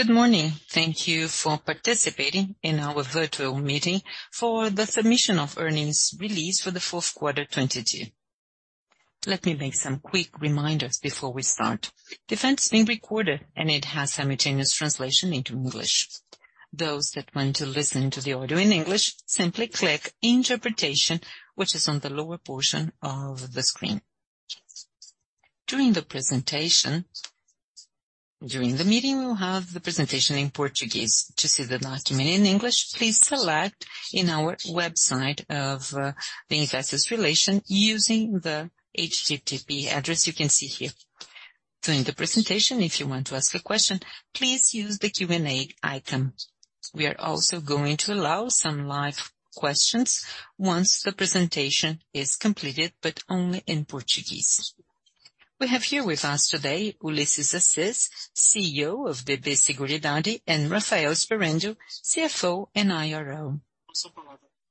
Good morning. Thank you for participating in our virtual meeting for the submission of earnings release for the fourth quarter 2022. Let me make some quick reminders before we start. The event is being recorded. It has simultaneous translation into English. Those that want to listen to the audio in English, simply click Interpretation, which is on the lower portion of the screen. During the meeting, we'll have the presentation in Portuguese. To see the document in English, please select in our website of the investor relations using the HTTP address you can see here. During the presentation, if you want to ask a question, please use the Q&A icon. We are also going to allow some live questions once the presentation is completed, only in Portuguese. We have here with us today, Ullisses Assis, CEO of BB Seguridade, and Rafael Sperendio, CFO and IRO.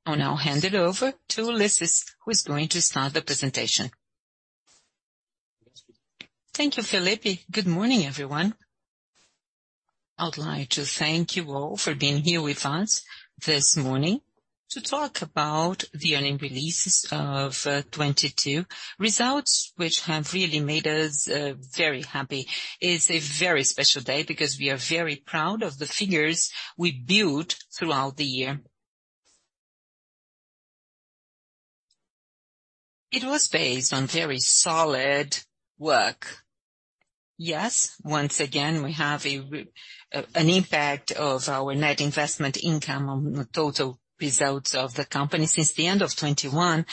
I'll now hand it over to Ullisses, who is going to start the presentation. Thank you, Felipe. Good morning, everyone. I would like to thank you all for being here with us this morning to talk about the earning releases of 2022. Results which have really made us very happy. It's a very special day because we are very proud of the figures we built throughout the year. It was based on very solid work. Yes, once again, we have an impact of our net investment income on the total results of the company since the end of 2021.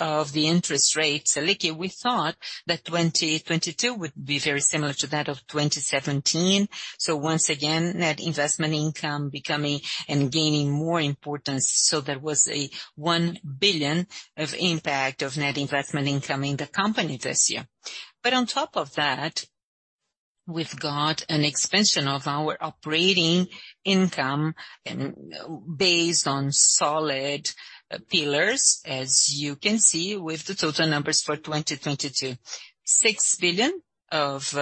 Of the interest rates, likely, we thought that 2022 would be very similar to that of 2017. Once again, net investment income becoming and gaining more importance. There was a 1 billion of impact of net investment income in the company this year. On top of that, we've got an expansion of our operating income and based on solid pillars, as you can see with the total numbers for 2022. 6 billion of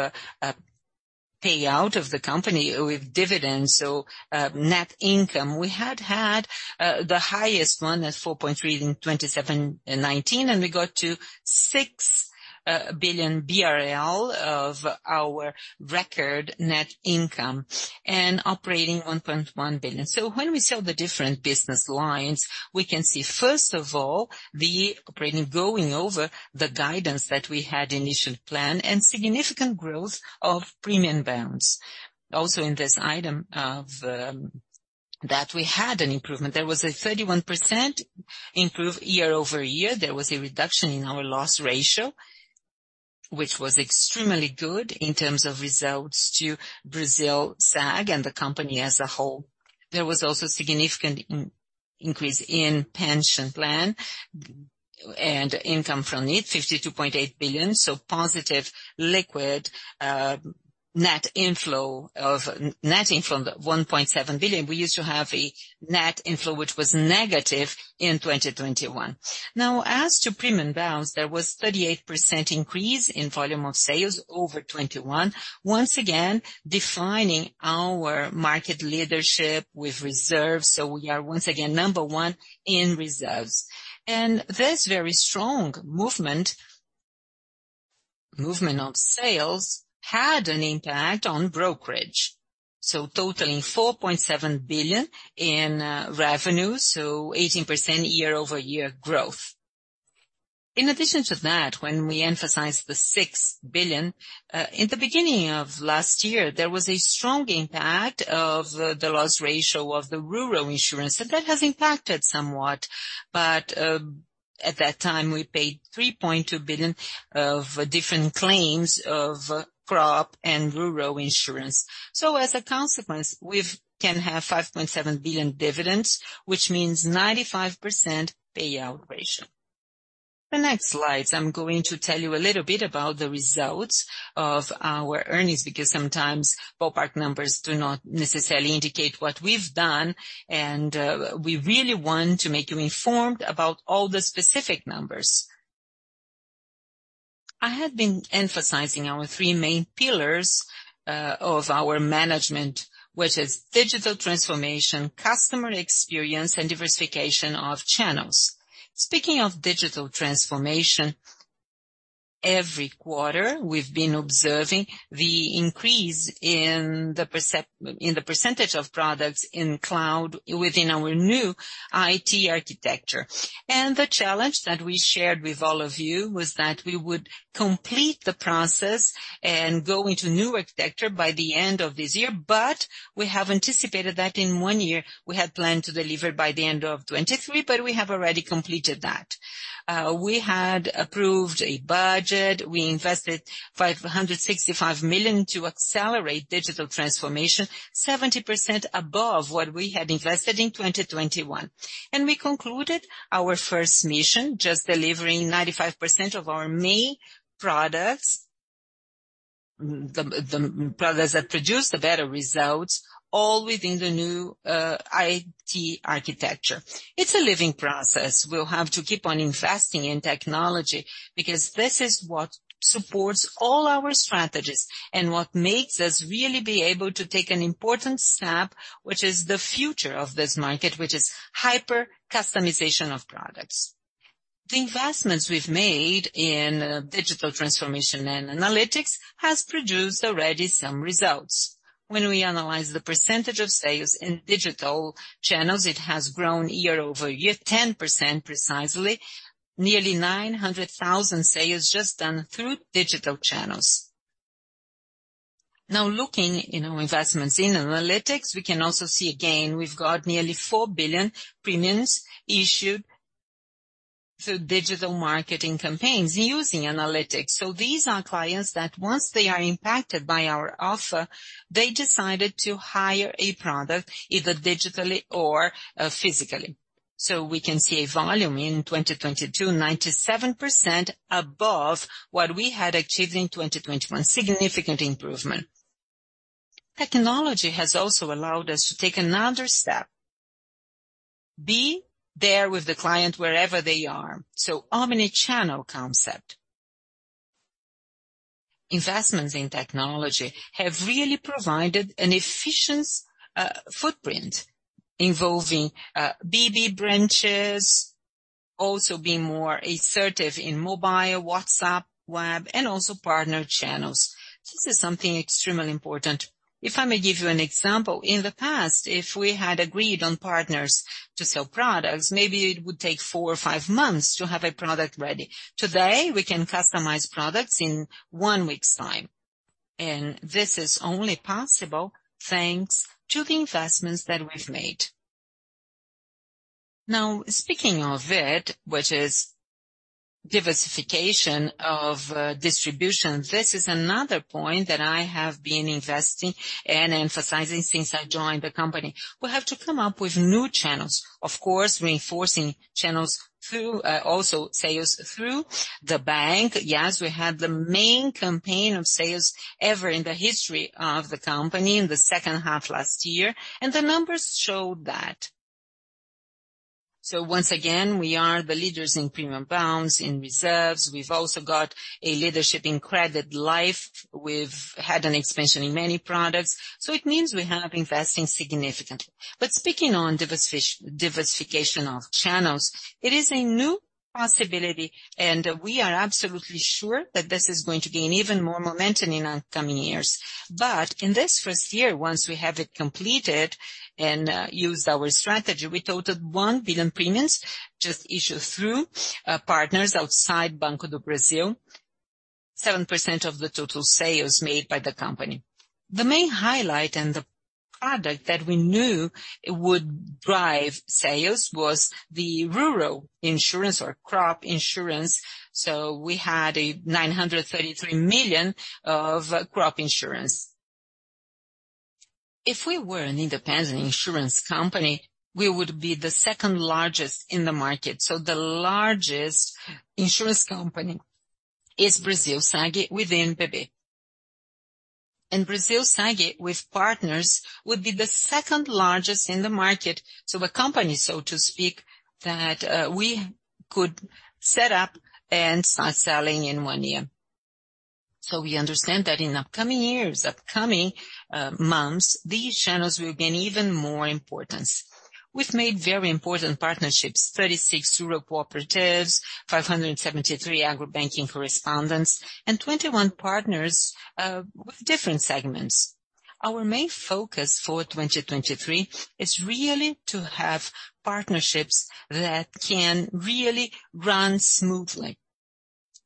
payout of the company with dividends. Net income. We had the highest one at 4.3 billion in 2017 and 2019, and we got to 6 billion BRL of our record net income and operating 1.1 billion. When we sell the different business lines, we can see, first of all, the operating going over the guidance that we had initial plan and significant growth of premium bonds. Also in this item of that we had an improvement. There was a 31% improve year-over-year. There was a reduction in our loss ratio, which was extremely good in terms of results to Brasilseg and the company as a whole. There was also significant increase in pension plan and income from it, 52.8 billion. Positive liquid net inflow 1.7 billion. We used to have a net inflow, which was negative in 2021. Now, as to premium bonds, there was 38% increase in volume of sales over 2021, once again defining our market leadership with reserves. We are, once again, number one in reserves. This very strong movement of sales had an impact on brokerage. Totaling 4.7 billion in revenue, 18% year-over-year growth. In addition to that, when we emphasize the 6 billion in the beginning of last year, there was a strong impact of the loss ratio of the rural insurance, that has impacted somewhat. At that time, we paid 3.2 billion of different claims of crop and rural insurance. As a consequence, we can have 5.7 billion dividends, which means 95% payout ratio. The next slides, I'm going to tell you a little bit about the results of our earnings, because sometimes ballpark numbers do not necessarily indicate what we've done. We really want to make you informed about all the specific numbers. I have been emphasizing our three main pillars of our management, which is digital transformation, customer experience, and diversification of channels. Speaking of digital transformation, every quarter, we've been observing the increase in the percentage of products in cloud within our new IT architecture. The challenge that we shared with all of you was that we would complete the process and go into new architecture by the end of this year. We have anticipated that in one year, we had planned to deliver by the end of 2023, but we have already completed that. We had approved a budget. We invested 565 million to accelerate digital transformation, 70% above what we had invested in 2021. We concluded our first mission, just delivering 95% of our main products, the products that produce the better results all within the new IT architecture. It's a living process. We'll have to keep on investing in technology because this is what supports all our strategies and what makes us really be able to take an important step, which is the future of this market, which is hyper customization of products. The investments we've made in digital transformation and analytics has produced already some results. When we analyze the percentage of sales in digital channels, it has grown year-over-year, 10% precisely. Nearly 900,000 sales just done through digital channels. Looking in our investments in analytics, we can also see again, we've got nearly 4 billion premiums issued through digital marketing campaigns using analytics. These are clients that once they are impacted by our offer, they decided to hire a product either digitally or physically. We can see a volume in 2022, 97% above what we had achieved in 2021. Significant improvement. Technology has also allowed us to take another step, be there with the client wherever they are, omni-channel concept. Investments in technology have really provided an efficient footprint involving BB branches, also being more assertive in mobile, WhatsApp, web, and also partner channels. This is something extremely important. If I may give you an example, in the past, if we had agreed on partners to sell products, maybe it would take four or five months to have a product ready. Today, we can customize products in one week's time, this is only possible thanks to the investments that we've made. Speaking of it, which is diversification of distribution, this is another point that I have been investing and emphasizing since I joined the company. We have to come up with new channels, of course, reinforcing channels through also sales through the bank. We had the main campaign of sales ever in the history of the company in the second half last year, the numbers show that. Once again, we are the leaders in premium bonds, in reserves. We've also got a leadership in credit life. We've had an expansion in many products, it means we have investing significantly. Speaking on diversification of channels, it is a new possibility, we are absolutely sure that this is going to gain even more momentum in upcoming years. In this first year, once we have it completed and used our strategy, we totaled 1 billion premiums just issued through partners outside Banco do Brasil, 7% of the total sales made by the company. The main highlight and the product that we knew it would drive sales was the rural insurance or crop insurance, so we had 933 million of crop insurance. If we were an independent insurance company, we would be the second largest in the market. The largest insurance company is Brasilseg with BB. And Brasilseg with partners would be the second largest in the market to a company, so to speak, that we could set up and start selling in one year. We understand that in upcoming years, upcoming months, these channels will gain even more importance. We've made very important partnerships, 36 rural cooperatives, 573 agro-banking correspondents, and 21 partners with different segments. Our main focus for 2023 is really to have partnerships that can really run smoothly.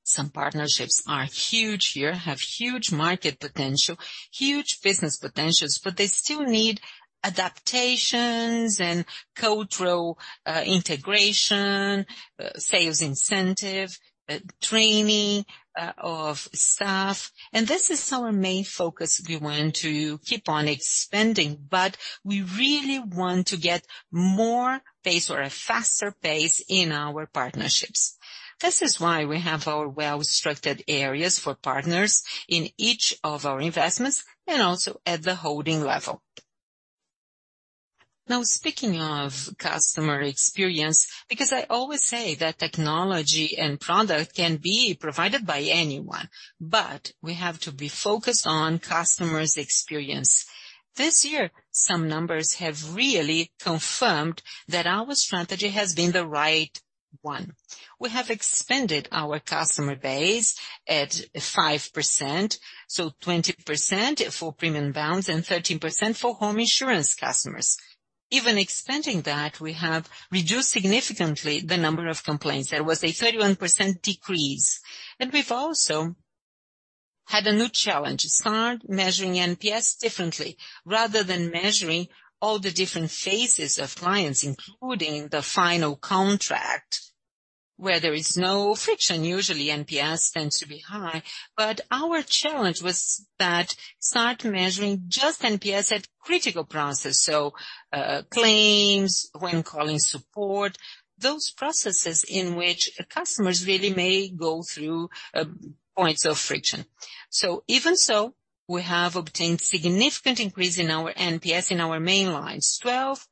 Some partnerships are huge here, have huge market potential, huge business potentials, but they still need adaptations and cultural integration, sales incentive, training of staff. This is our main focus. We want to keep on expanding, but we really want to get more pace or a faster pace in our partnerships. This is why we have our well-structured areas for partners in each of our investments and also at the holding level. Now speaking of customer experience, because I always say that technology and product can be provided by anyone, but we have to be focused on customer's experience. This year, some numbers have really confirmed that our strategy has been the right one. We have expanded our customer base at 5%, so 20% for premium bonds and 13% for home insurance customers. Even expanding that, we have reduced significantly the number of complaints. There was a 31% decrease. We've also had a new challenge to start measuring NPS differently. Rather than measuring all the different phases of clients, including the final contract, where there is no friction, usually NPS tends to be high. Our challenge was that start measuring just NPS at critical process. claims when calling support, those processes in which customers really may go through points of friction. We have obtained significant increase in our NPS in our main lines, 12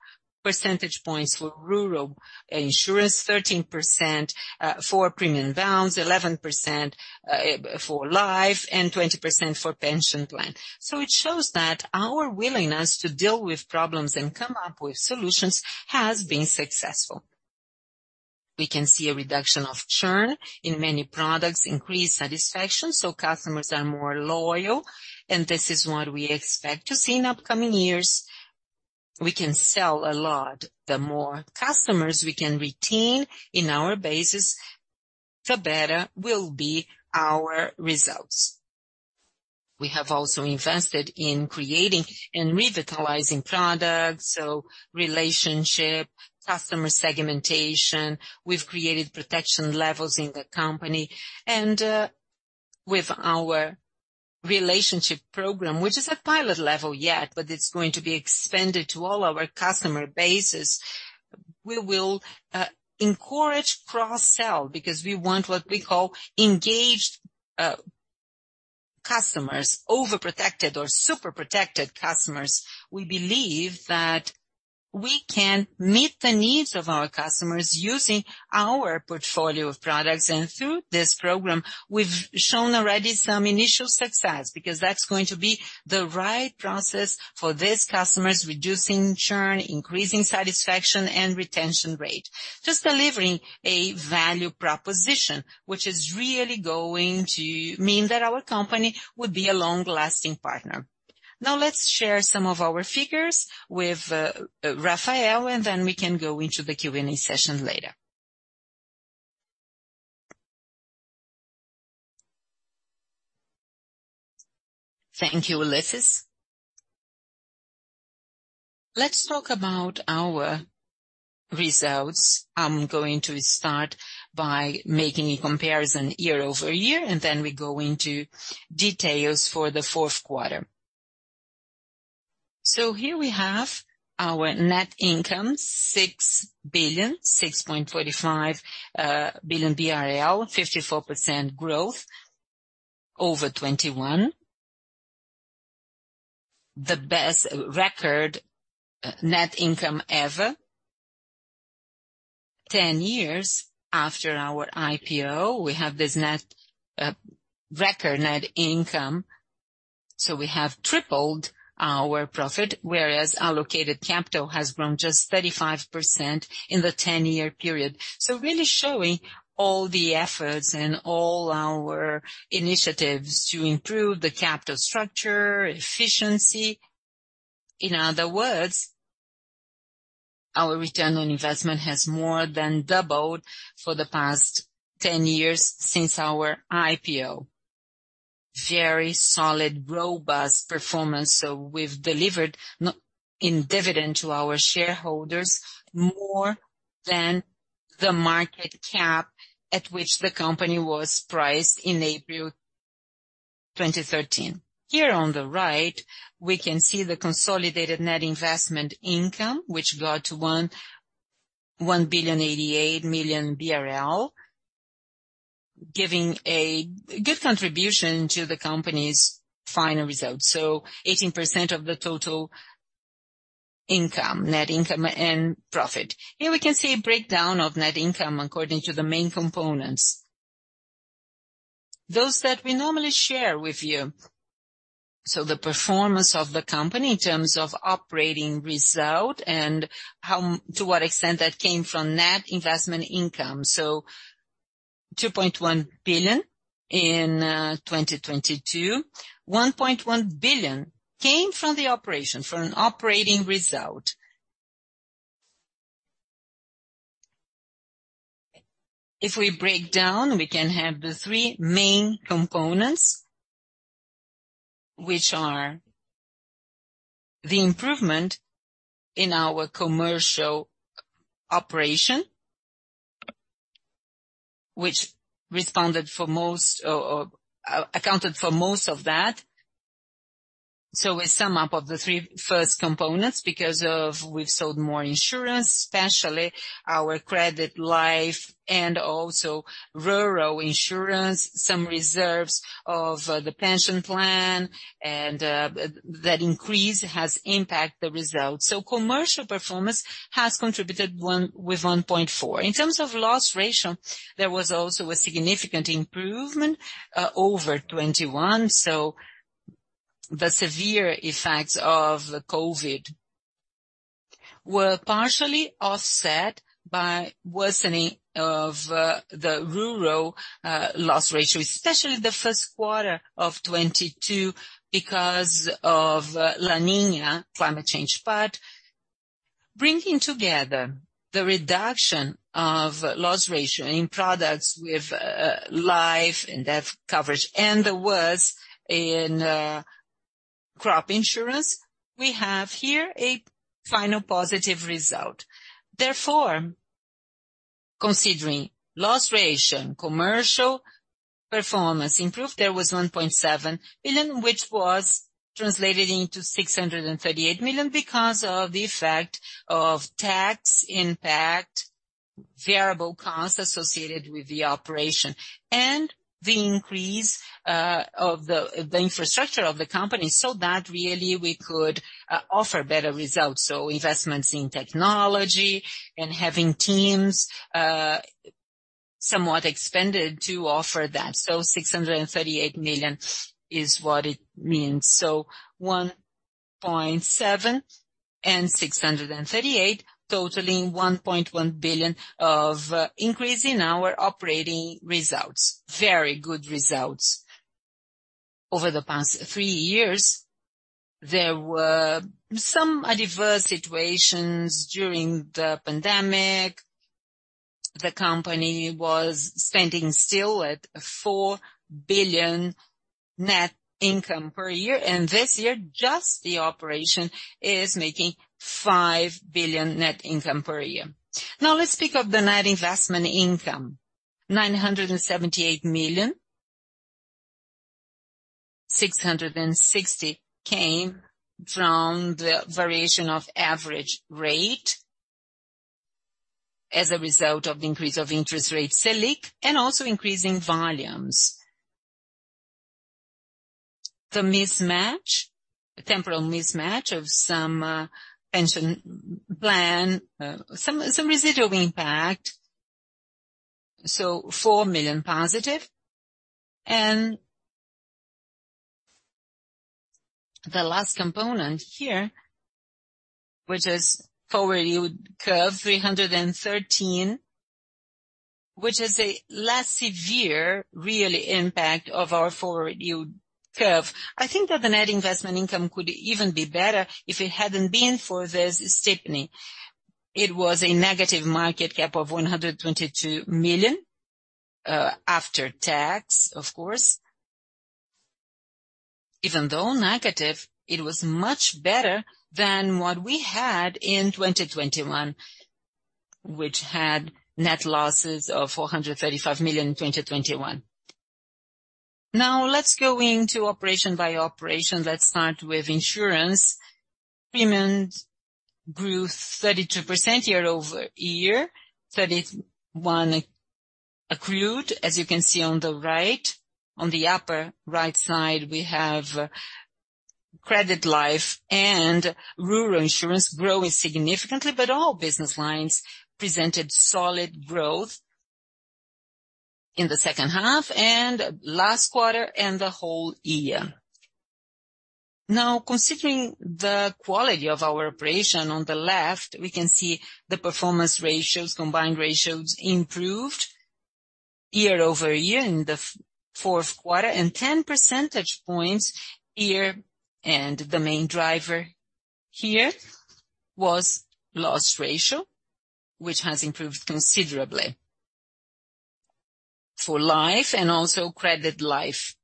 percentage points for rural insurance, 13% for premium bonds, 11% for life, and 20% for pension plan. It shows that our willingness to deal with problems and come up with solutions has been successful. We can see a reduction of churn in many products, increased satisfaction, so customers are more loyal, and this is what we expect to see in upcoming years. We can sell a lot. The more customers we can retain in our bases, the better will be our results. We have also invested in creating and revitalizing products, so relationship, customer segmentation. We've created protection levels in the company and with our relationship program, which is at pilot level yet, but it's going to be expanded to all our customer bases. We will encourage cross-sell because we want what we call engaged customers, overprotected or super protected customers. We believe that we can meet the needs of our customers using our portfolio of products. Through this program, we've shown already some initial success because that's going to be the right process for these customers, reducing churn, increasing satisfaction and retention rate. Just delivering a value proposition, which is really going to mean that our company would be a long-lasting partner. Let's share some of our figures with Rafael, we can go into the Q&A session later. Thank you, Ullisses. Let's talk about our results. I'm going to start by making a comparison year-over-year, we go into details for the fourth quarter. Here we have our net income, 6 billion, 6.45 billion BRL, 54% growth over 2021. The best record net income ever. 10 years after our IPO, we have this record net income. We have tripled our profit, whereas our located capital has grown just 35% in the 10-year period. Really showing all the efforts and all our initiatives to improve the capital structure, efficiency. In other words, our return on investment has more than doubled for the past 10 years since our IPO. Very solid, robust performance. We've delivered in dividend to our shareholders more than the market cap at which the company was priced in April 2013. Here on the right, we can see the consolidated net investment income, which got to 1,088,000,000 BRL giving a good contribution to the company's final results. 18% of the total income, net income and profit. Here we can see a breakdown of net income according to the main components. Those that we normally share with you. The performance of the company in terms of operating result and to what extent that came from net investment income. 2.1 billion in 2022. 1.1 billion came from the operation, from operating result. If we break down, we can have the three main components, which are the improvement in our commercial operation, which responded for most or accounted for most of that. A sum up of the three first components, because of we've sold more insurance, especially our credit life and also rural insurance, some reserves of the pension plan and that increase has impact the results. Commercial performance has contributed with 1.4. In terms of loss ratio, there was also a significant improvement over 2021. The severe effects of the COVID were partially offset by worsening of the rural loss ratio, especially the first quarter of 2022 because of La Niña climate change. Bringing together the reduction of loss ratio in products with life and death coverage and the worse in crop insurance, we have here a final positive result. Therefore, considering loss ratio and commercial performance improved, there was 1.7 billion, which was translated into 638 million because of the effect of tax impact variable costs associated with the operation and the increase of the infrastructure of the company, so that really we could offer better results. Investments in technology and having teams somewhat expended to offer that. 638 million is what it means. 1.7 and 638 million totaling 1.1 billion of increase in our operating results. Very good results. Over the past three years, there were some adverse situations during the pandemic. The company was spending still at 4 billion net income per year, and this year, just the operation is making 5 billion net income per year. Let's speak of the net investment income. 978 million. 660 came from the variation of average rate as a result of the increase of interest rates, Selic, and also increasing volumes. The mismatch, temporal mismatch of some pension plan, some residual impact. BRL 4 million positive. The last component here, which is forward yield curve, 313, which is a less severe, really, impact of our forward yield curve. I think that the net investment income could even be better if it hadn't been for this steepening. It was a negative market cap of 122 million, after tax, of course. Even though negative, it was much better than what we had in 2021, which had net losses of 435 million in 2021. Let's go into operation by operation. Let's start with insurance. Premiums grew 32% year-over-year, 31% accrued. As you can see on the right, on the upper right side, we have credit life and rural insurance growing significantly. All business lines presented solid growth in the second half and last quarter and the whole year. Considering the quality of our operation on the left, we can see the performance ratios, combined ratios improved year-over-year in the fourth quarter and 10 percentage points year. The main driver here was loss ratio, which has improved considerably for life and also credit life.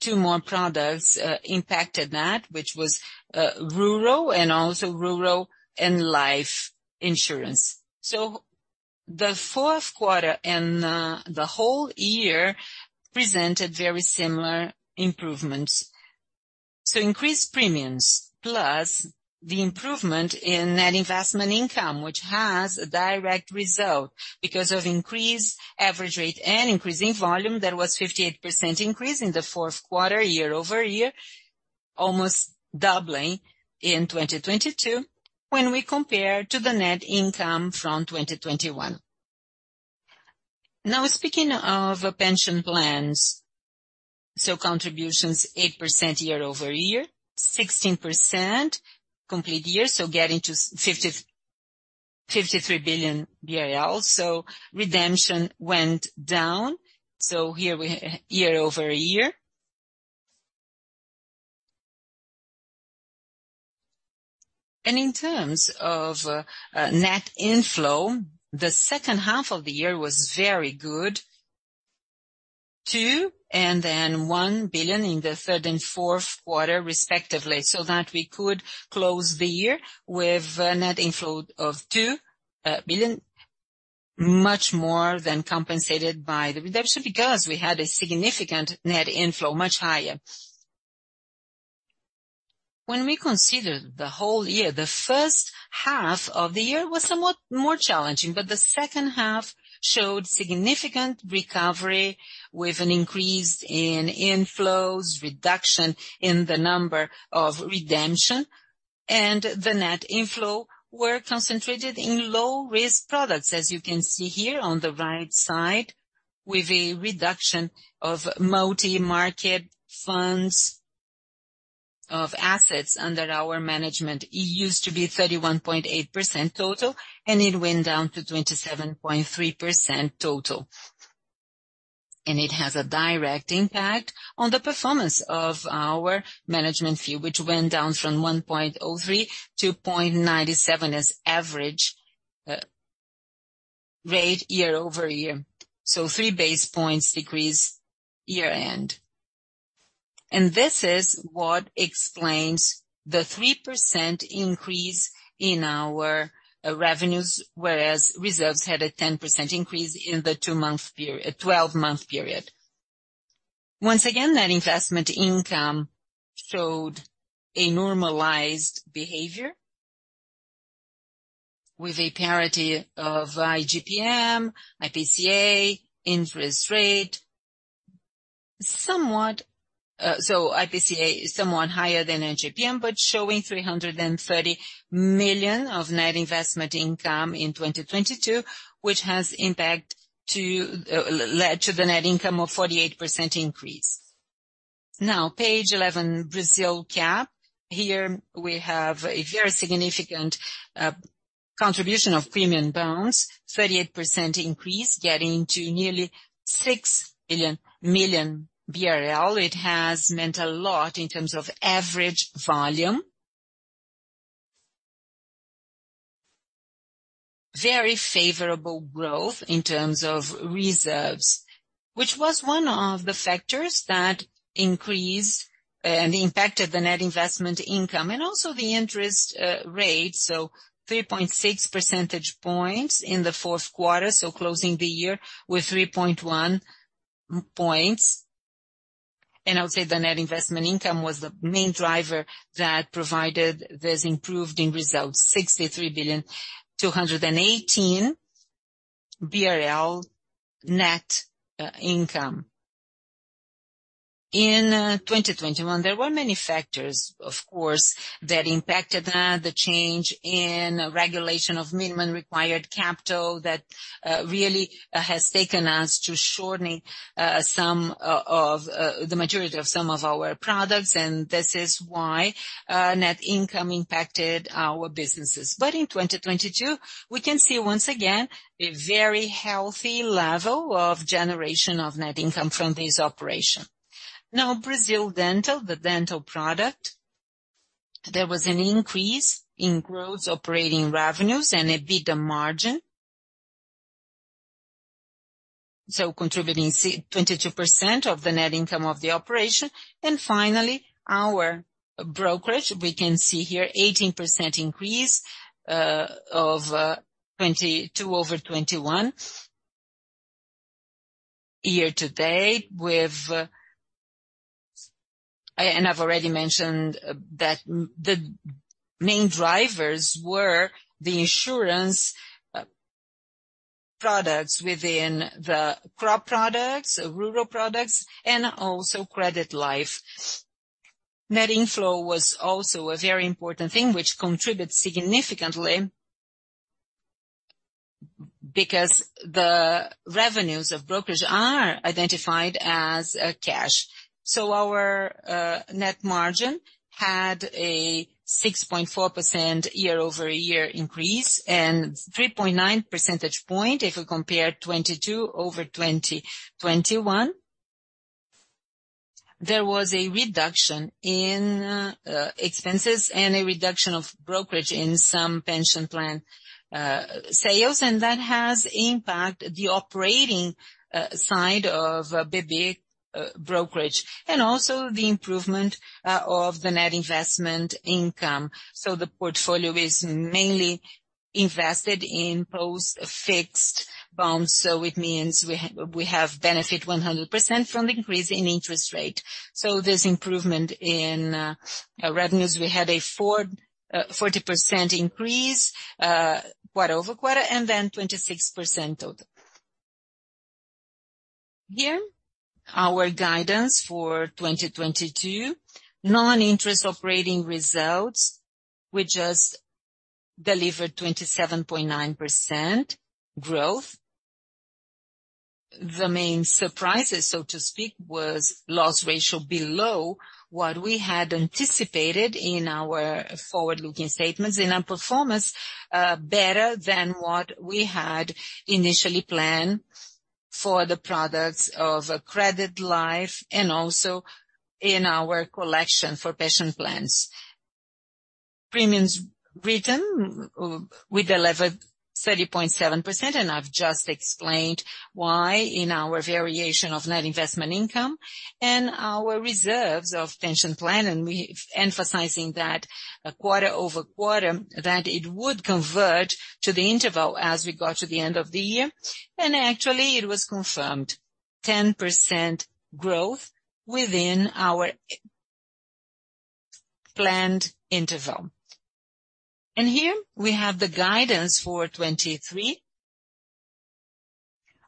Two more products impacted that, which was rural and life insurance. The fourth quarter and the whole year presented very similar improvements. Increased premiums plus the improvement in net investment income, which has a direct result because of increased average rate and increasing volume. There was 58% increase in the fourth quarter year-over-year, almost doubling in 2022 when we compare to the net income from 2021. Speaking of pension plans, contributions 8% year-over-year, 16% complete year, getting to 50 billion-53 billion BRL. Redemption went down, here year-over-year. In terms of net inflow, the second half of the year was very good. 2 billion and then 1 billion in the third and fourth quarter respectively, that we could close the year with a net inflow of 2 billion, much more than compensated by the redemption, because we had a significant net inflow, much higher. When we consider the whole year, the first half of the year was somewhat more challenging, but the second half showed significant recovery with an increase in inflows, reduction in the number of redemption, the net inflow were concentrated in low-risk products, as you can see here on the right side, with a reduction of multi-market funds of assets under our management. It used to be 31.8% total, it went down to 27.3% total. It has a direct impact on the performance of our management fee, which went down from 1.03-0.97 as average rate year-over-year. 3 basis points decrease year-end. This is what explains the 3% increase in our revenues, whereas reserves had a 10% increase in the two-month period, 12-month period. Once again, net investment income showed a normalized behavior with a parity of IGPM, IPCA, interest rate, somewhat. So IPCA is somewhat higher than IGPM, but showing 330 million of net investment income in 2022, which has impact to, led to the net income of 48% increase. Page 11, Brazil Brasilcap. Here we have a very significant contribution of premium bonds, 38% increase, getting to nearly 6 billion, million. It has meant a lot in terms of average volume. Very favorable growth in terms of reserves, which was one of the factors that increased and impacted the Net Investment Income and also the interest rate, so 3.6 percentage points in the fourth quarter, so closing the year with 3.1 points. I would say the Net Investment Income was the main driver that provided this improvement in results, 63,000,000,218 BRL net income. In 2021, there were many factors, of course, that impacted that. The change in regulation of minimum required capital that really has taken us to shortening some of the majority of some of our products, and this is why net income impacted our businesses. In 2022, we can see once again a very healthy level of generation of net income from this operation. Brasildental, the dental product, there was an increase in gross operating revenues and EBITDA margin, contributing 22% of the net income of the operation. Finally, our brokerage, we can see here 18% increase of 2022 over 2021 year to date. I've already mentioned that the main drivers were the insurance products within the crop products, rural products, and also credit life. Net inflow was also a very important thing which contributed significantly because the revenues of brokerage are identified as cash. Our net margin had a 6.4% year-over-year increase and 3.9 percentage point if we compare 2022 over 2021. There was a reduction in expenses and a reduction of brokerage in some pension plan sales, and that has impacted the operating side of BB Brokerage and also the improvement of the net investment income. The portfolio is mainly invested in post-fixed bonds, so it means we have benefit 100% from the increase in interest rate. There's improvement in revenues. We had a 40% increase quarter-over-quarter, and then 26% total. Here, our guidance for 2022. Non-interest operating results, we just delivered 27.9% growth. The main surprises, so to speak, was loss ratio below what we had anticipated in our forward-looking statements in our performance better than what we had initially planned for the products of credit life and also in our collection for pension plans. Premiums written, we delivered 30.7%, and I've just explained why in our variation of net investment income. Our reserves of pension plan, emphasizing that quarter-over-quarter, that it would convert to the interval as we got to the end of the year. Actually, it was confirmed, 10% growth within our planned interval. Here we have the guidance for 2023.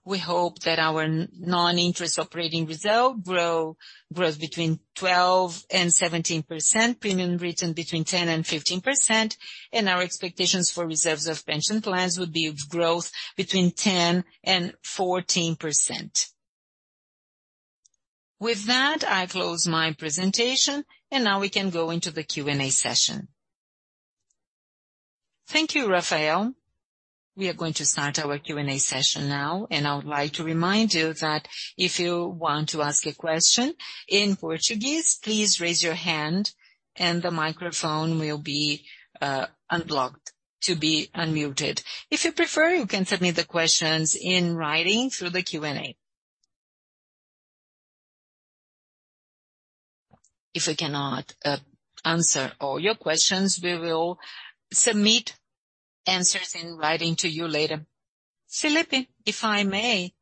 We hope that our non-interest operating result grows between 12% and 17%, premium written between 10% and 15%, and our expectations for reserves of pension plans would be of growth between 10% and 14%. With that, I close my presentation and now we can go into the Q&A session. Thank you, Rafael. We are going to start our Q&A session now. I would like to remind you that if you want to ask a question in Portuguese, please raise your hand and the microphone will be unblocked to be unmuted. If you prefer, you can send me the questions in writing through the Q&A. If we cannot answer all your questions, we will submit answers in writing to you later. Felipe, if I may,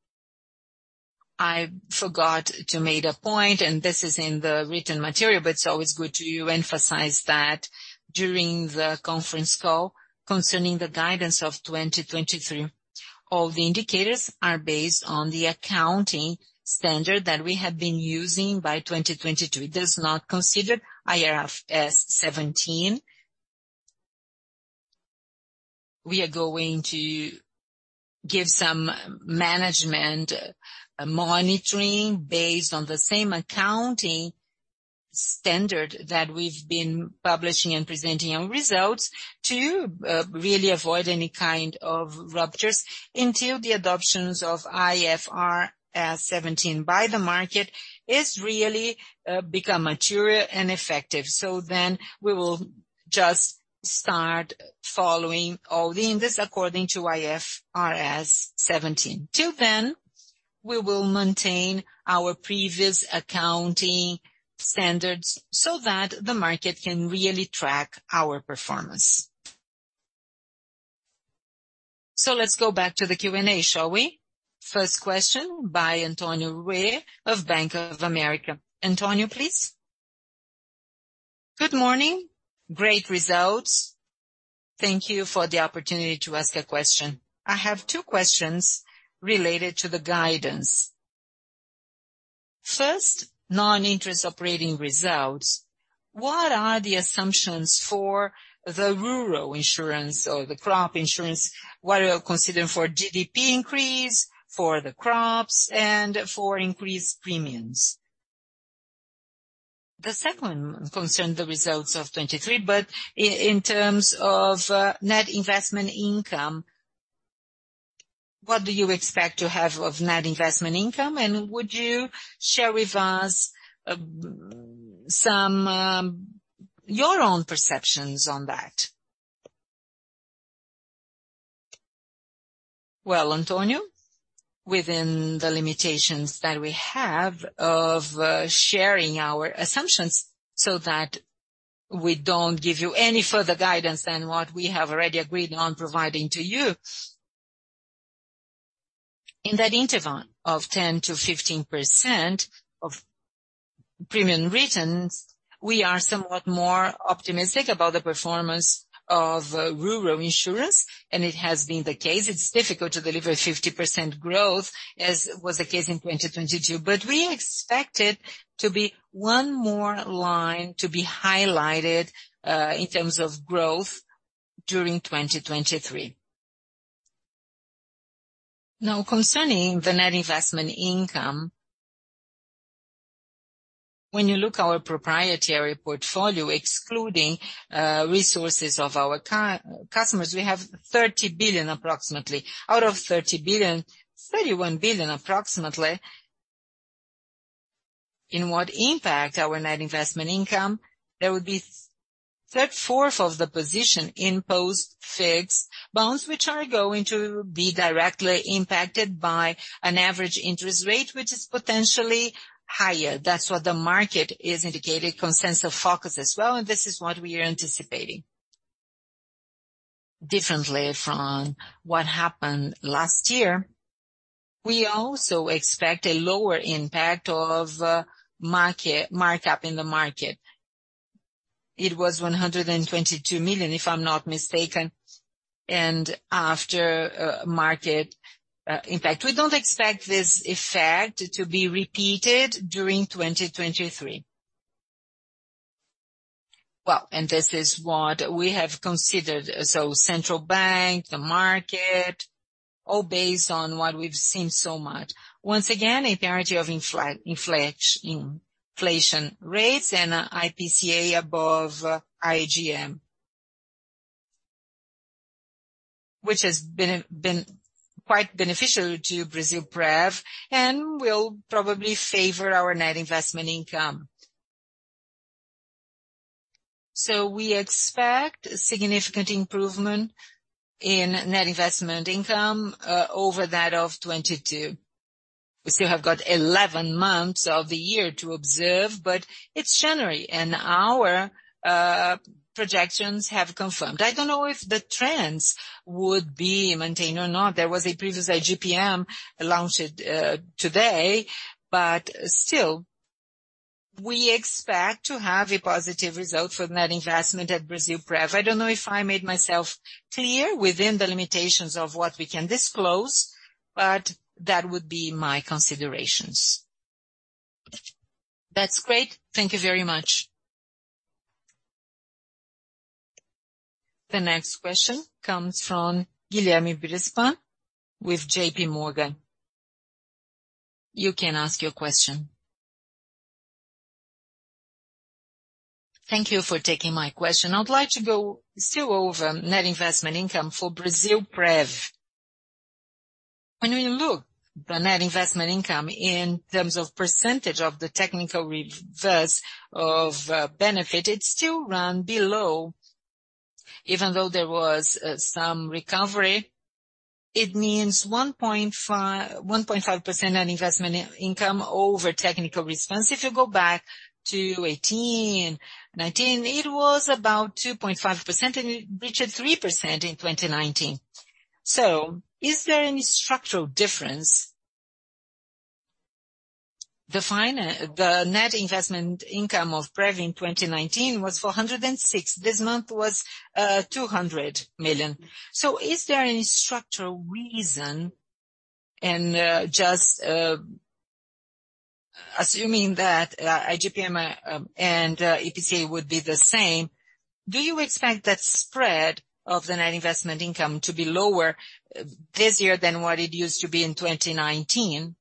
I forgot to make a point, and this is in the written material, but it's always good to emphasize that during the conference call concerning the guidance of 2023, all the indicators are based on the accounting standard that we have been using by 2022. It does not consider IFRS 17. We are going to give some management monitoring based on the same accounting standard that we've been publishing and presenting our results to really avoid any kind of ruptures until the adoptions of IFRS 17 by the market is really become material and effective. We will just start following all the indices according to IFRS 17. Till then, we will maintain our previous accounting standards so that the market can really track our performance. Let's go back to the Q&A, shall we? First question by Antonio Ruette of Bank of America. Antonio, please. Good morning. Great results. Thank you for the opportunity to ask a question. I have two questions related to the guidance. First, non-interest operating results. What are the assumptions for the rural insurance or the crop insurance? What do you consider for GDP increase, for the crops, and for increased premiums? The second one concerned the results of 2023, in terms of net investment income, what do you expect to have of net investment income? Would you share with us some your own perceptions on that? Well, Antonio, within the limitations that we have of sharing our assumptions so that we don't give you any further guidance than what we have already agreed on providing to you. In that interval of 10%-15% of premium returns, we are somewhat more optimistic about the performance of rural insurance, and it has been the case. It's difficult to deliver 50% growth, as was the case in 2022. We expect it to be one more line to be highlighted in terms of growth during 2023. Now, concerning the net investment income, when you look our proprietary portfolio, excluding resources of our customers, we have 30 billion approximately. Out of 30 billion, 31 billion approximately. In what impact our net investment income, there would be three-fourth of the position in post-fixed bonds, which are going to be directly impacted by an average interest rate, which is potentially higher. That's what the market is indicating, consensus focus as well, this is what we are anticipating. Differently from what happened last year, we also expect a lower impact of markup in the market. It was 122 million, if I'm not mistaken. After market impact. We don't expect this effect to be repeated during 2023. This is what we have considered. Central bank, the market, all based on what we've seen so much. Once again, a priority of inflation rates and IPCA above IGPM, which has been quite beneficial to Brasilprev and will probably favor our net investment income. We expect significant improvement in net investment income over that of 2022. We still have got 11 months of the year to observe. It's January and our projections have confirmed. I don't know if the trends would be maintained or not. There was a previous IGPM launched today. We expect to have a positive result for net investment at Brasilprev. I don't know if I made myself clear within the limitations of what we can disclose. That would be my considerations. That's great. Thank you very much. The next question comes from Guilherme Grespan with JPMorgan. You can ask your question. Thank you for taking my question. I'd like to go still over net investment income for Brasilprev. When we look the net investment income in terms of percentage of the technical reserves of benefit, it still run below. Even though there was some recovery, it means 1.5% on investment income over technical reserves. If you go back to 2018, 2019, it was about 2.5%, and it reached 3% in 2019. Is there any structural difference? The net investment income of Brasilprev in 2019 was 406. This month was 200 million. Is there any structural reason in just assuming that IGPM and IPCA would be the same, do you expect that spread of the net investment income to be lower this year than what it used to be in 2019?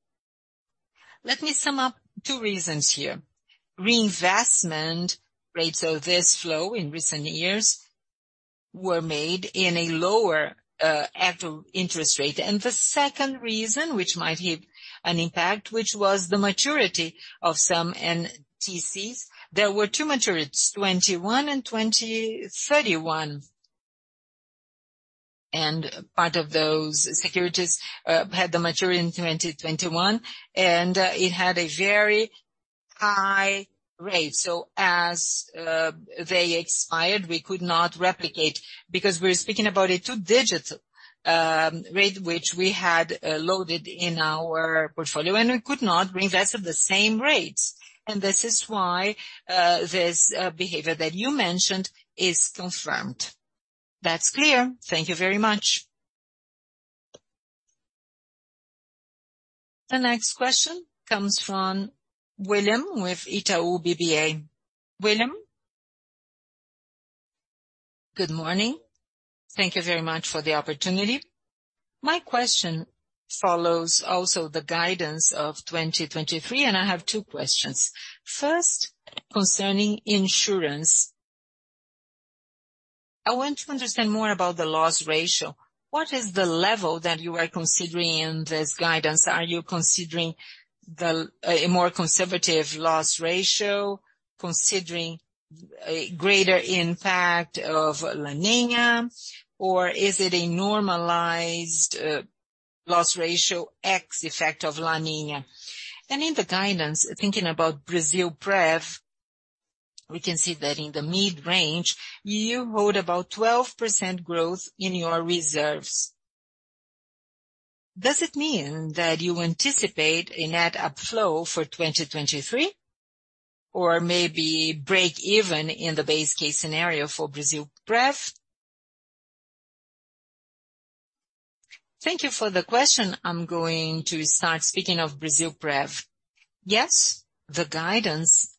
Let me sum up two reasons here. Reinvestment rates of this flow in recent years were made in a lower interest rate. The second reason, which might have an impact, which was the maturity of some NPCs, there were two maturities, 2021 and 2031. Part of those securities had the maturity in 2021, and it had a very high rate. As they expired, we could not replicate because we're speaking about a two-digit rate, which we had loaded in our portfolio, and we could not reinvest at the same rates. This is why this behavior that you mentioned is confirmed. That's clear. Thank you very much. The next question comes from William with Itaú BBA. William? Good morning. Thank you very much for the opportunity. My question follows also the guidance of 2023, and I have two questions. First, concerning insurance, I want to understand more about the loss ratio. What is the level that you are considering in this guidance? Are you considering the, a more conservative loss ratio, considering a greater impact of La Niña, or is it a normalized, loss ratio X effect of La Niña? In the guidance, thinking about Brasilprev, we can see that in the mid-range, you hold about 12% growth in your reserves. Does it mean that you anticipate a net upflow for 2023 or maybe break even in the base case scenario for Brasilprev? Thank you for the question. I'm going to start speaking of Brasilprev. Yes, the guidance,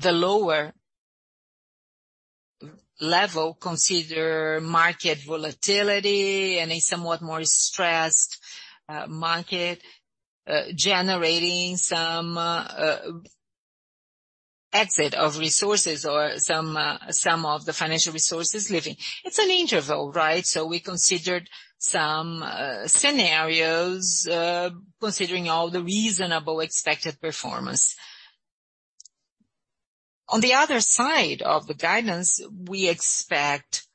the lower level consider market volatility and a somewhat more stressed market, generating some exit of resources or some of the financial resources leaving. It's an interval, right? We considered some scenarios considering all the reasonable expected performance. On the other side of the guidance, we expect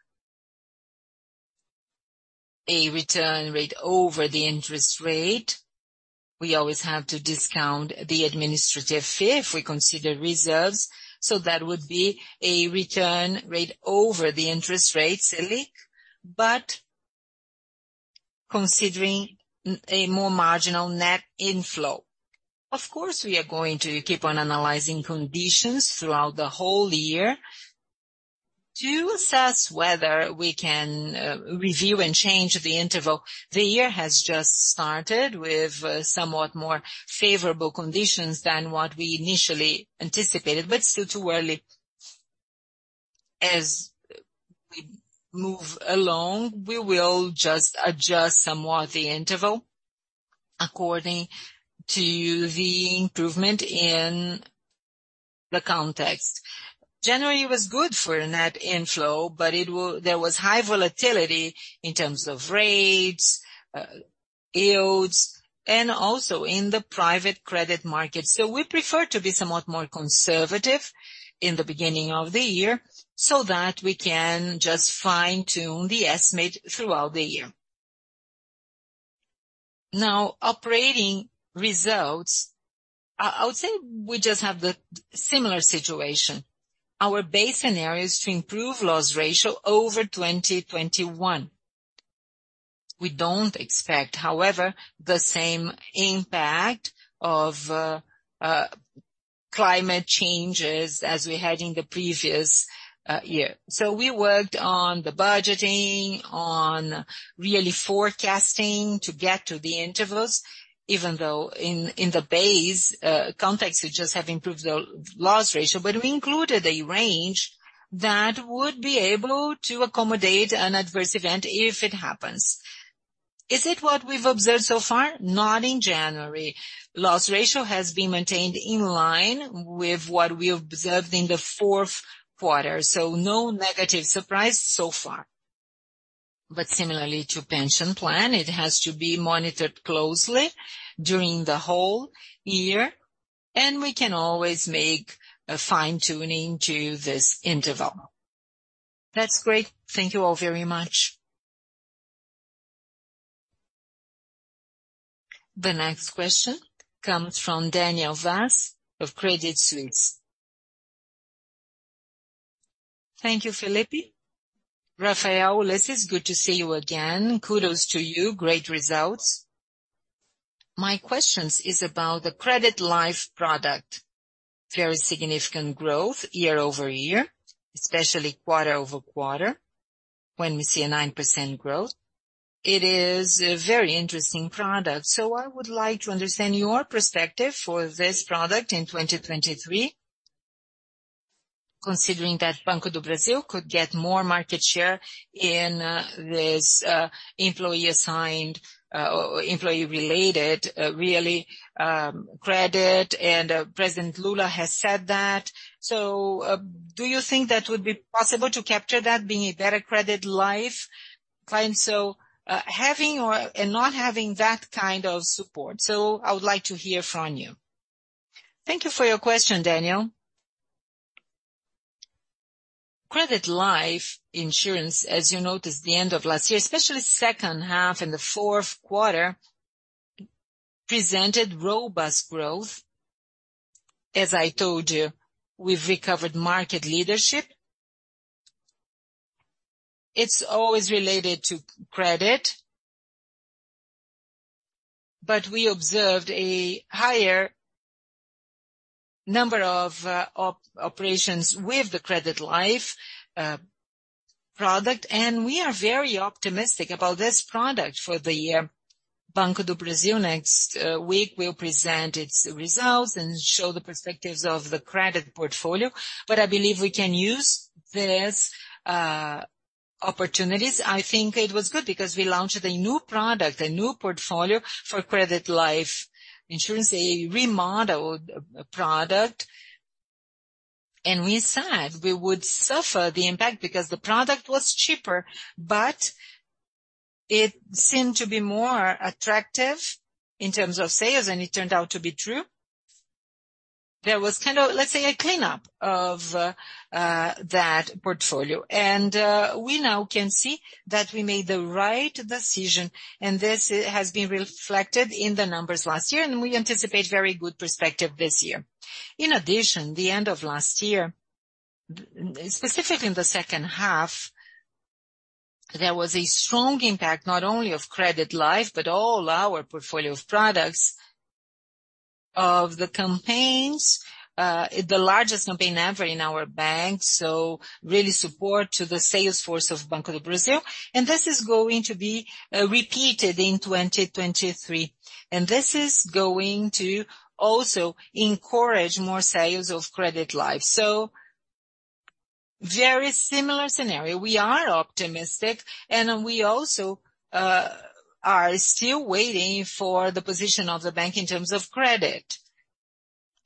a return rate over the interest rate. We always have to discount the administrative fee if we consider reserves, so that would be a return rate over the interest rate, Selic. Considering a more marginal net inflow, of course, we are going to keep on analyzing conditions throughout the whole year to assess whether we can review and change the interval. The year has just started with somewhat more favorable conditions than what we initially anticipated, but still too early. As we move along, we will just adjust somewhat the interval according to the improvement in the context. January was good for a net inflow, but there was high volatility in terms of rates, yields, and also in the private credit market. We prefer to be somewhat more conservative in the beginning of the year so that we can just fine-tune the estimate throughout the year. Now, operating results, I would say we just have the similar situation. Our base scenario is to improve loss ratio over 2021. We don't expect, however, the same impact of climate changes as we had in the previous year. We worked on the budgeting, on really forecasting to get to the intervals, even though in the base context, we just have improved the loss ratio. We included a range that would be able to accommodate an adverse event if it happens. Is it what we've observed so far? Not in January. Loss ratio has been maintained in line with what we observed in the fourth quarter. No negative surprise so far. Similarly to pension plan, it has to be monitored closely during the whole year, and we can always make a fine-tuning to this interval. That's great. Thank you all very much. The next question comes from Daniel Vaz of Credit Suisse. Thank you, Felipe. Rafael, this is good to see you again. Kudos to you. Great results. My questions is about the credit life product. Very significant growth year-over-year, especially quarter-over-quarter, when we see a 9% growth. It is a very interesting product. I would like to understand your perspective for this product in 2023, considering that Banco do Brasil could get more market share in this employee-assigned or employee-related really credit, and President Lula has said that. Do you think that would be possible to capture that being a better credit life? Fine. Having or, and not having that kind of support. I would like to hear from you. Thank you for your question, Daniel. Credit life insurance, as you noticed, the end of last year, especially second half and the fourth quarter, presented robust growth. As I told you, we've recovered market leadership. It's always related to credit, but we observed a higher number of operations with the credit life product, and we are very optimistic about this product for the year. Banco do Brasil next week will present its results and show the perspectives of the credit portfolio. I believe we can use these opportunities. I think it was good because we launched a new product, a new portfolio for credit life insurance, a remodeled product. We said we would suffer the impact because the product was cheaper, but it seemed to be more attractive in terms of sales, and it turned out to be true. There was kind of, let's say, a cleanup of that portfolio. We now can see that we made the right decision, and this has been reflected in the numbers last year, and we anticipate very good perspective this year. In addition, the end of last year, specifically in the second half, there was a strong impact, not only of credit life, but all our portfolio of products, of the campaigns, the largest campaign ever in our bank. Really support to the sales force of Banco do Brasil. This is going to be repeated in 2023, and this is going to also encourage more sales of credit life. Very similar scenario. We are optimistic, and we also are still waiting for the position of the bank in terms of credit.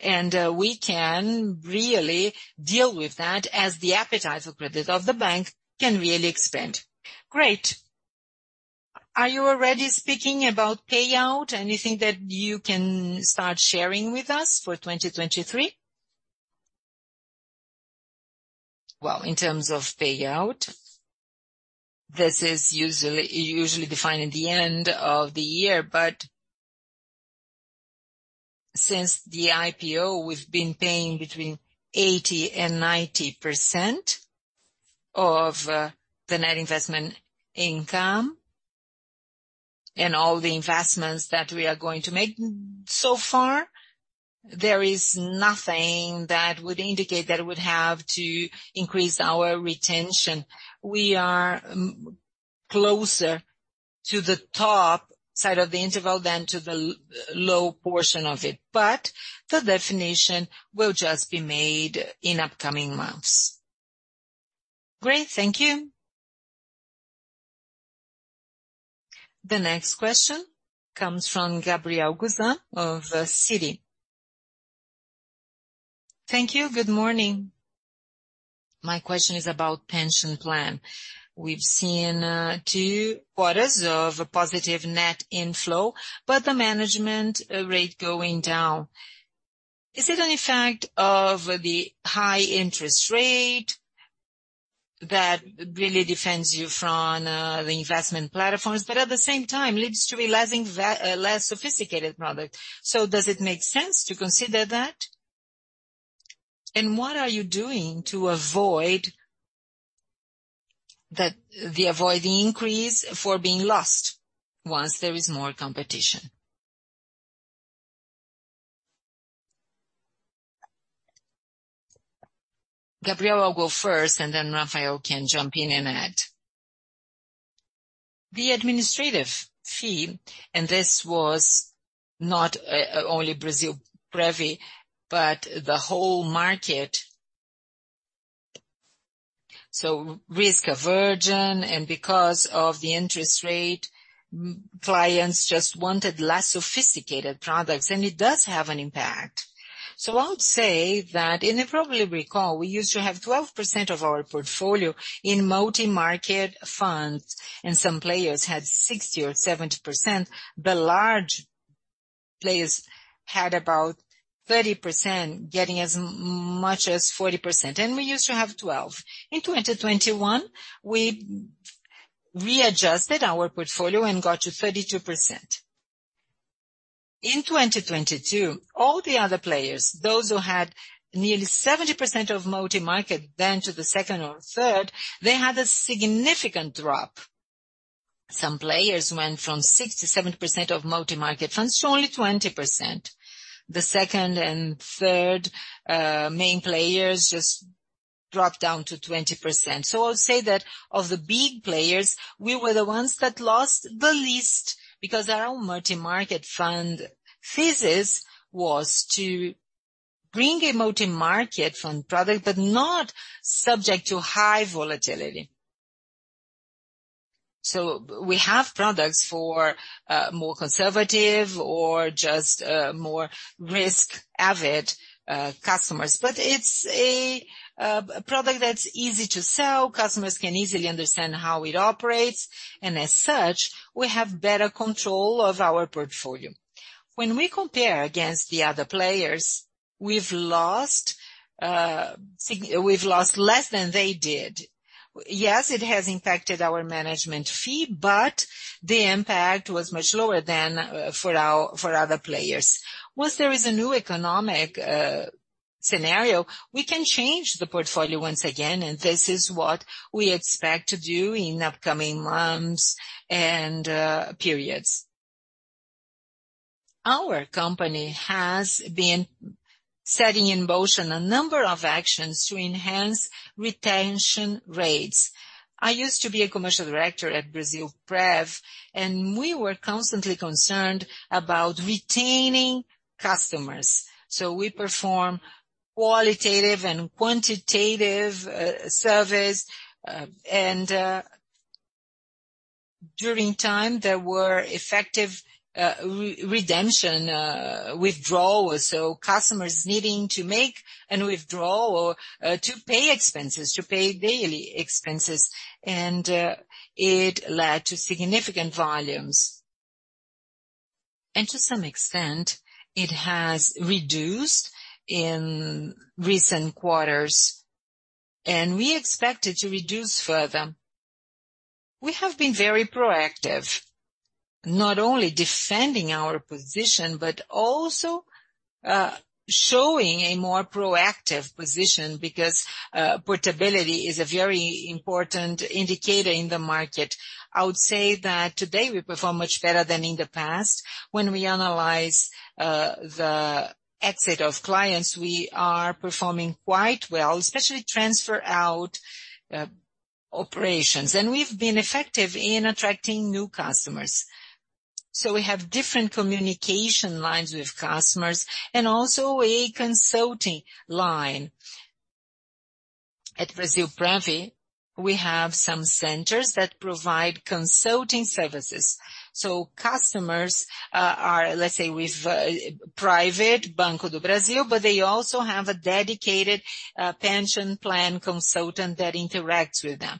We can really deal with that as the appetite of credit of the bank can really expand. Great. Are you already speaking about payout? Anything that you can start sharing with us for 2023? In terms of payout, this is usually defined at the end of the year. Since the IPO, we've been paying between 80% and 90% of the net investment income and all the investments that we are going to make. So far, there is nothing that would indicate that it would have to increase our retention. We are closer to the top side of the interval than to the low portion of it, the definition will just be made in upcoming months. Great. Thank you. The next question comes from Gabriel Gusan of Citi. Thank you. Good morning. My question is about pension plan. We've seen two quarters of a positive net inflow, the management rate going down. Is it an effect of the high interest rate that really defends you from the investment platforms, but at the same time leads to realizing a less sophisticated product? Does it make sense to consider that? What are you doing to avoid that-- the avoiding increase for being lost once there is more competition? Gabriel, I'll go first, and then Rafael can jump in and add. The administrative fee, and this was not only Brasilprev, but the whole market. Risk aversion, and because of the interest rate, clients just wanted less sophisticated products, and it does have an impact. I would say that, and you probably recall, we used to have 12% of our portfolio in multi-market funds, and some players had 60% or 70%. The large players had about 30%, getting as much as 40%, and we used to have 12. In 2021, we readjusted our portfolio and got to 32%. In 2022, all the other players, those who had nearly 70% of multi-market then to the second or third, they had a significant drop. Some players went from 6%-7% of multi-market funds to only 20%. The second and third main players just dropped down to 20%. I would say that of the big players, we were the ones that lost the least because our own multi-market fund thesis was to bring a multi-market fund product, but not subject to high volatility. We have products for more conservative or just more risk-avid customers. It's a product that's easy to sell, customers can easily understand how it operates, and as such, we have better control of our portfolio. When we compare against the other players, we've lost less than they did. Yes, it has impacted our management fee, but the impact was much lower than for our, for other players. Once there is a new economic scenario, we can change the portfolio once again, and this is what we expect to do in upcoming months and periods. Our company has been setting in motion a number of actions to enhance retention rates. I used to be a commercial director at Brasilprev, and we were constantly concerned about retaining customers. We perform qualitative and quantitative surveys. And, during time, there were effective redemption withdrawals. Customers needing to make and withdraw, to pay expenses, to pay daily expenses, it led to significant volumes. To some extent, it has reduced in recent quarters, and we expect it to reduce further. We have been very proactive, not only defending our position, but also showing a more proactive position because portability is a very important indicator in the market. I would say that today we perform much better than in the past. When we analyze, the exit of clients, we are performing quite well, especially transfer-out operations. We've been effective in attracting new customers. We have different communication lines with customers and also a consulting line. At Brasilprev, we have some centers that provide consulting services. Customers are, let's say with, private Banco do Brasil, but they also have a dedicated pension plan consultant that interacts with them.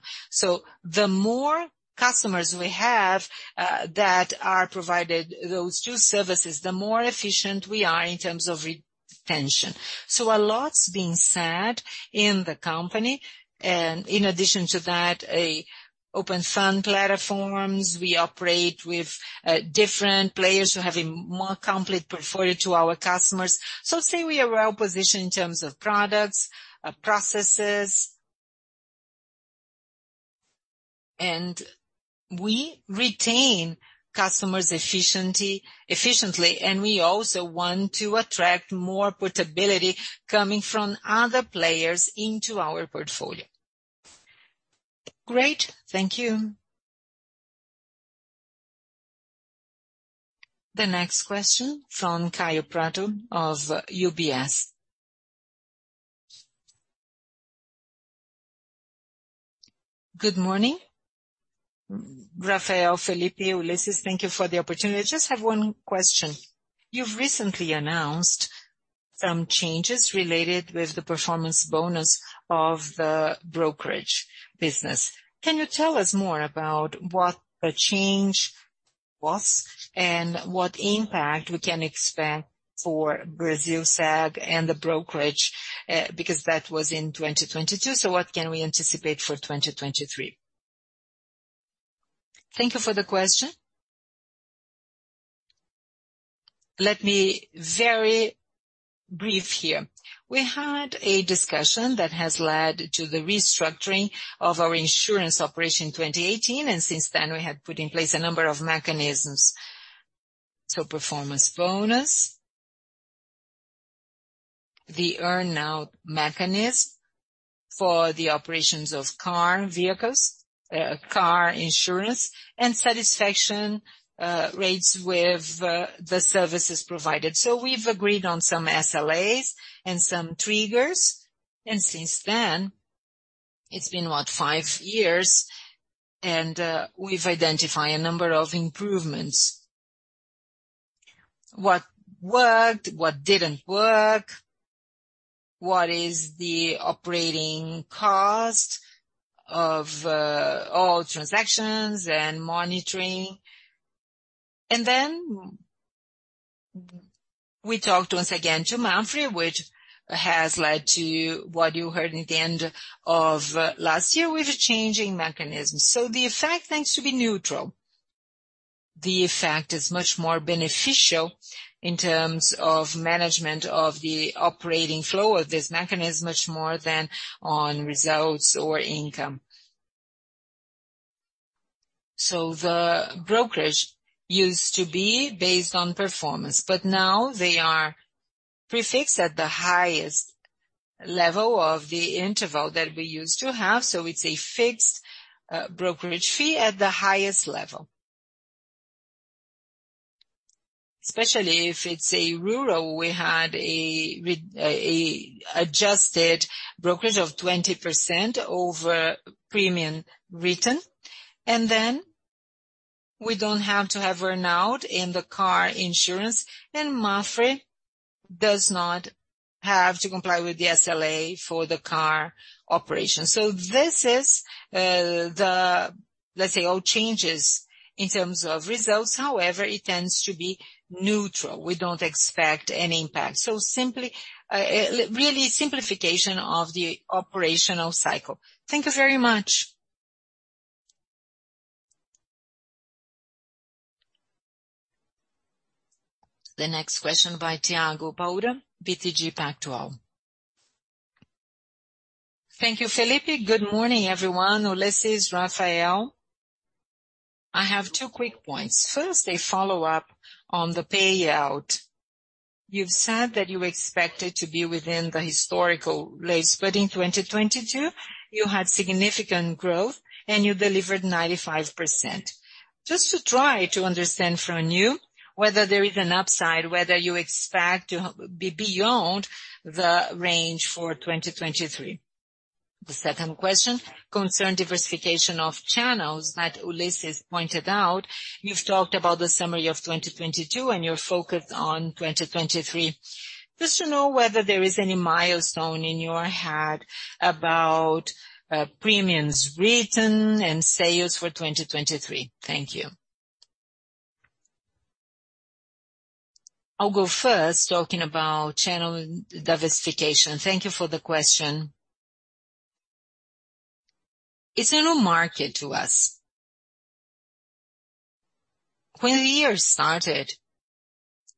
The more customers we have that are provided those two services, the more efficient we are in terms of retention. A lot's being said in the company. In addition to that, a open fund platforms, we operate with different players who have a more complete portfolio to our customers. I'd say we are well-positioned in terms of products, processes. We retain customers efficiently, and we also want to attract more portability coming from other players into our portfolio. Great. Thank you. The next question from Kaio Prato of UBS. Good morning, Rafael, Felipe, Ullisses. Thank you for the opportunity. I just have one question. You've recently announced some changes related with the performance bonus of the brokerage business. Can you tell us more about what the change was and what impact we can expect for Brasilseg and the brokerage? That was in 2022, so what can we anticipate for 2023? Thank you for the question. Let me very brief here. We had a discussion that has led to the restructuring of our insurance operation in 2018, and since then, we have put in place a number of mechanisms. Performance bonus, the earn-out mechanism for the operations of car vehicles, car insurance, and satisfaction rates with the services provided. We've agreed on some SLAs and some triggers, and since then. It's been what? Five years, and we've identified a number of improvements. What worked, what didn't work, what is the operating cost of all transactions and monitoring. we talked once again to MAPFRE, which has led to what you heard at the end of last year with the changing mechanisms. The effect tends to be neutral. The effect is much more beneficial in terms of management of the operating flow of this mechanism, much more than on results or income. The brokerage used to be based on performance, but now they are prefixed at the highest level of the interval that we used to have. it's a fixed brokerage fee at the highest level. Especially if it's a rural. We had an adjusted brokerage of 20% over premium written. We don't have to have earn-out in the car insurance, MAPFRE does not have to comply with the SLA for the car operation. This is, let's say, all changes in terms of results. However, it tends to be neutral. We don't expect any impact. Simply, really simplification of the operational cycle. Thank you very much. The next question by Thiago Paura, BTG Pactual. Thank you, Felipe. Good morning, everyone. Ullisses, Rafael. I have two quick points. First, a follow-up on the payout. You've said that you expected to be within the historical range, in 2022, you had significant growth and you delivered 95%. Just to try to understand from you whether there is an upside, whether you expect to be beyond the range for 2023. The second question concern diversification of channels that Ullisses pointed out. You've talked about the summary of 2022, and you're focused on 2023. Just to know whether there is any milestone in your head about premiums written and sales for 2023. Thank you. I'll go first talking about channel diversification. Thank you for the question. It's a new market to us. When the year started,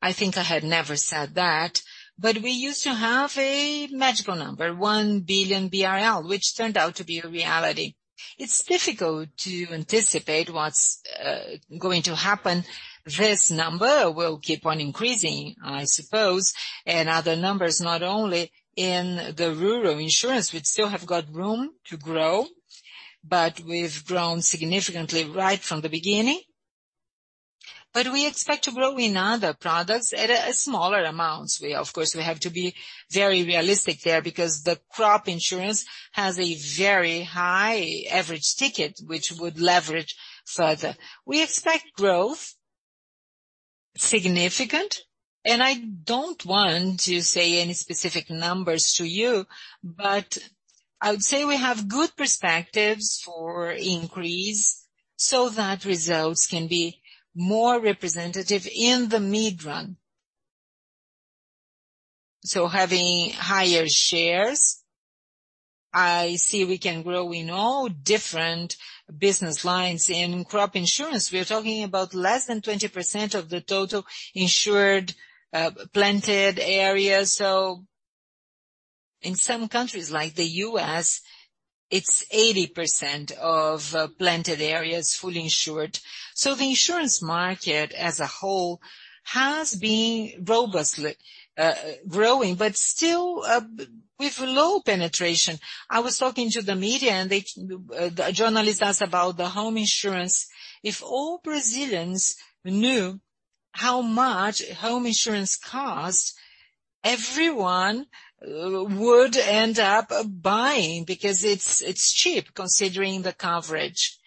I think I had never said that, but we used to have a magical number, 1 billion BRL, which turned out to be a reality. It's difficult to anticipate what's going to happen. This number will keep on increasing, I suppose, and other numbers, not only in the rural insurance. We still have got room to grow, but we've grown significantly right from the beginning. We expect to grow in other products at smaller amounts. Of course, we have to be very realistic there because the crop insurance has a very high average ticket, which would leverage further. We expect growth, significant, and I don't want to say any specific numbers to you, but I would say we have good perspectives for increase so that results can be more representative in the mid run. Having higher shares, I see we can grow in all different business lines. In crop insurance, we are talking about less than 20% of the total insured planted areas. In some countries, like the U.S., it's 80% of planted areas fully insured. The insurance market as a whole has been robustly growing, but still, with low penetration. I was talking to the media, a journalist asked about the home insurance. If all Brazilians knew how much home insurance costs, everyone would end up buying because it's cheap considering the coverage.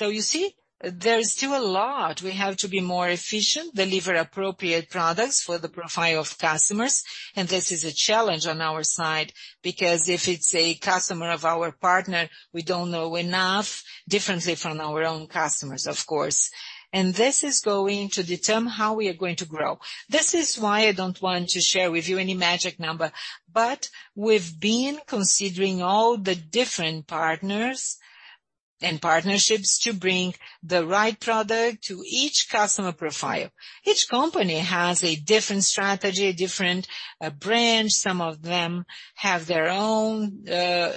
You see, there is still a lot. We have to be more efficient, deliver appropriate products for the profile of customers, and this is a challenge on our side, because if it's a customer of our partner, we don't know enough differently from our own customers, of course. This is going to determine how we are going to grow. This is why I don't want to share with you any magic number, but we've been considering all the different partners and partnerships to bring the right product to each customer profile. Each company has a different strategy, a different branch. Some of them have their own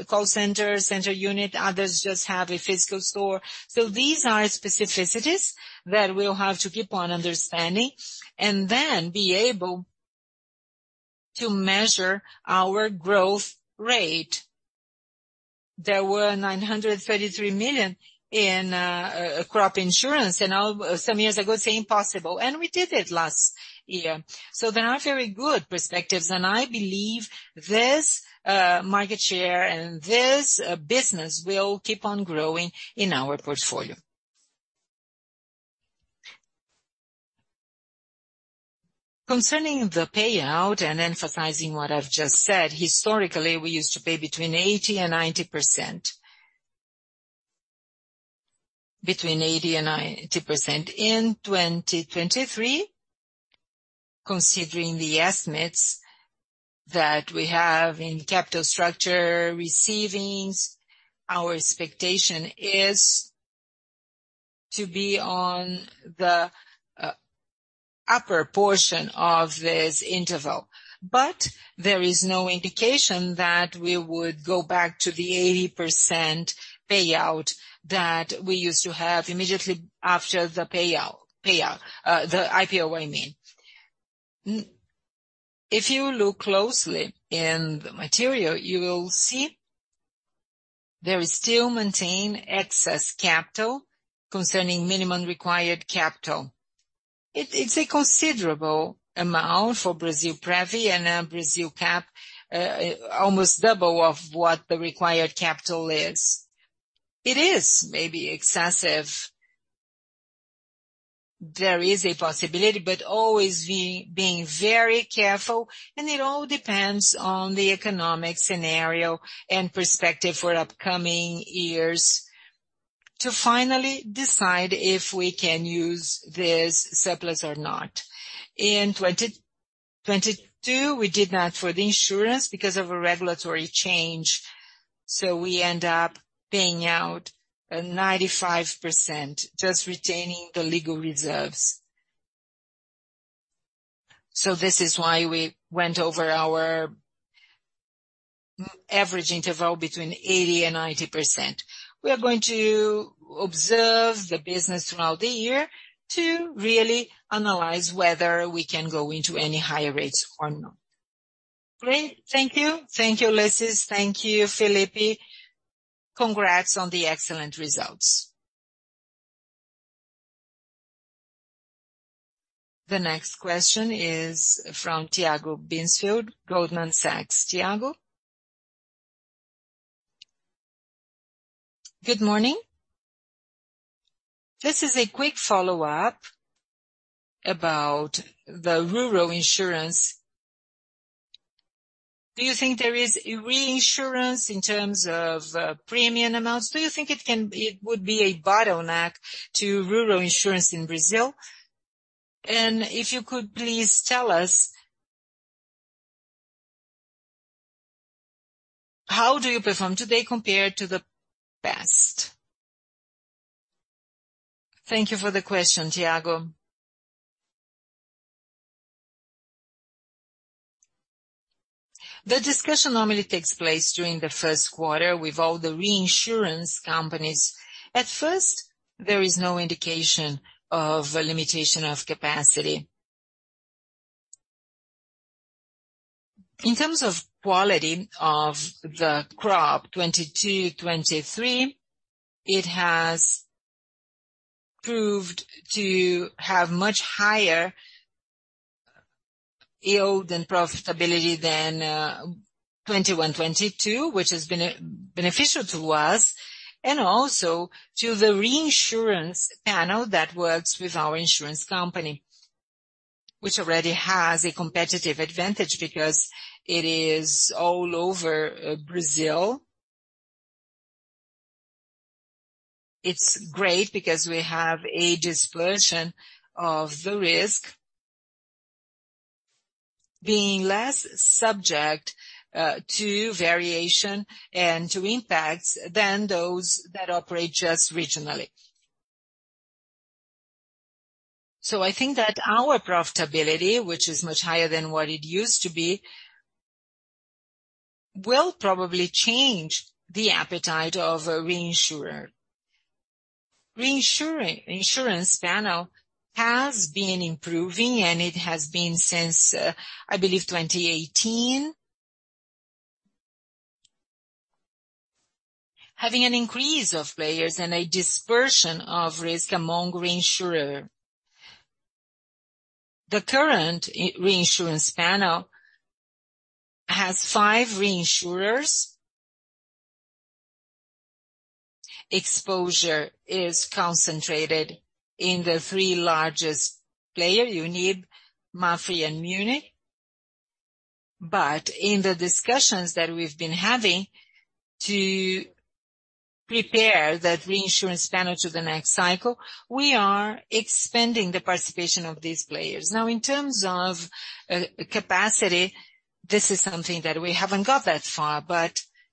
call center unit. Others just have a physical store. These are specificities that we'll have to keep on understanding and then be able to measure our growth rate. There were 933 million in crop insurance, some years ago, it's impossible, and we did it last year. There are very good perspectives, and I believe this market share and this business will keep on growing in our portfolio. Concerning the payout and emphasizing what I've just said, historically, we used to pay between 80%-90%. Between 80%-90%. In 2023, considering the estimates that we have in capital structure receivings, our expectation is to be on the upper portion of this interval, but there is no indication that we would go back to the 80% payout that we used to have immediately after the payout, the IPO, I mean. If you look closely in the material, you will see there is still maintained excess capital concerning minimum required capital. It's a considerable amount for Brasilprev and Brasilcap, almost double of what the required capital is. It is maybe excessive. There is a possibility, always being very careful, it all depends on the economic scenario and perspective for upcoming years to finally decide if we can use this surplus or not. In 2022, we did that for the insurance because of a regulatory change, we end up paying out 95%, just retaining the legal reserves. This is why we went over our average interval between 80% and 90%. We are going to observe the business throughout the year to really analyze whether we can go into any higher rates or not. Great. Thank you. Thank you, Ullisses. Thank you, Felipe. Congrats on the excellent results. The next question is from Tiago Binsfeld, Goldman Sachs. Tiago? Good morning. This is a quick follow-up about the rural insurance. Do you think there is reinsurance in terms of premium amounts? Do you think it would be a bottleneck to rural insurance in Brazil? If you could please tell us, how do you perform today compared to the past? Thank you for the question, Tiago. The discussion normally takes place during the first quarter with all the reinsurance companies. At first, there is no indication of a limitation of capacity. In terms of quality of the crop, 2022, 2023, it has proved to have much higher yield and profitability than 2021, 2022, which has been beneficial to us and also to the reinsurance panel that works with our insurance company, which already has a competitive advantage because it is all over Brazil. It's great because we have a dispersion of the risk being less subject to variation and to impacts than those that operate just regionally. I think that our profitability, which is much higher than what it used to be, will probably change the appetite of a reinsurer. Insurance panel has been improving, and it has been since, I believe, 2018, having an increase of players and a dispersion of risk among reinsurer. The current reinsurance panel has five reinsurers. Exposure is concentrated in the three largest player, IRB, MAPFRE, and Munich. In the discussions that we've been having to prepare that reinsurance panel to the next cycle, we are expanding the participation of these players. In terms of capacity, this is something that we haven't got that far.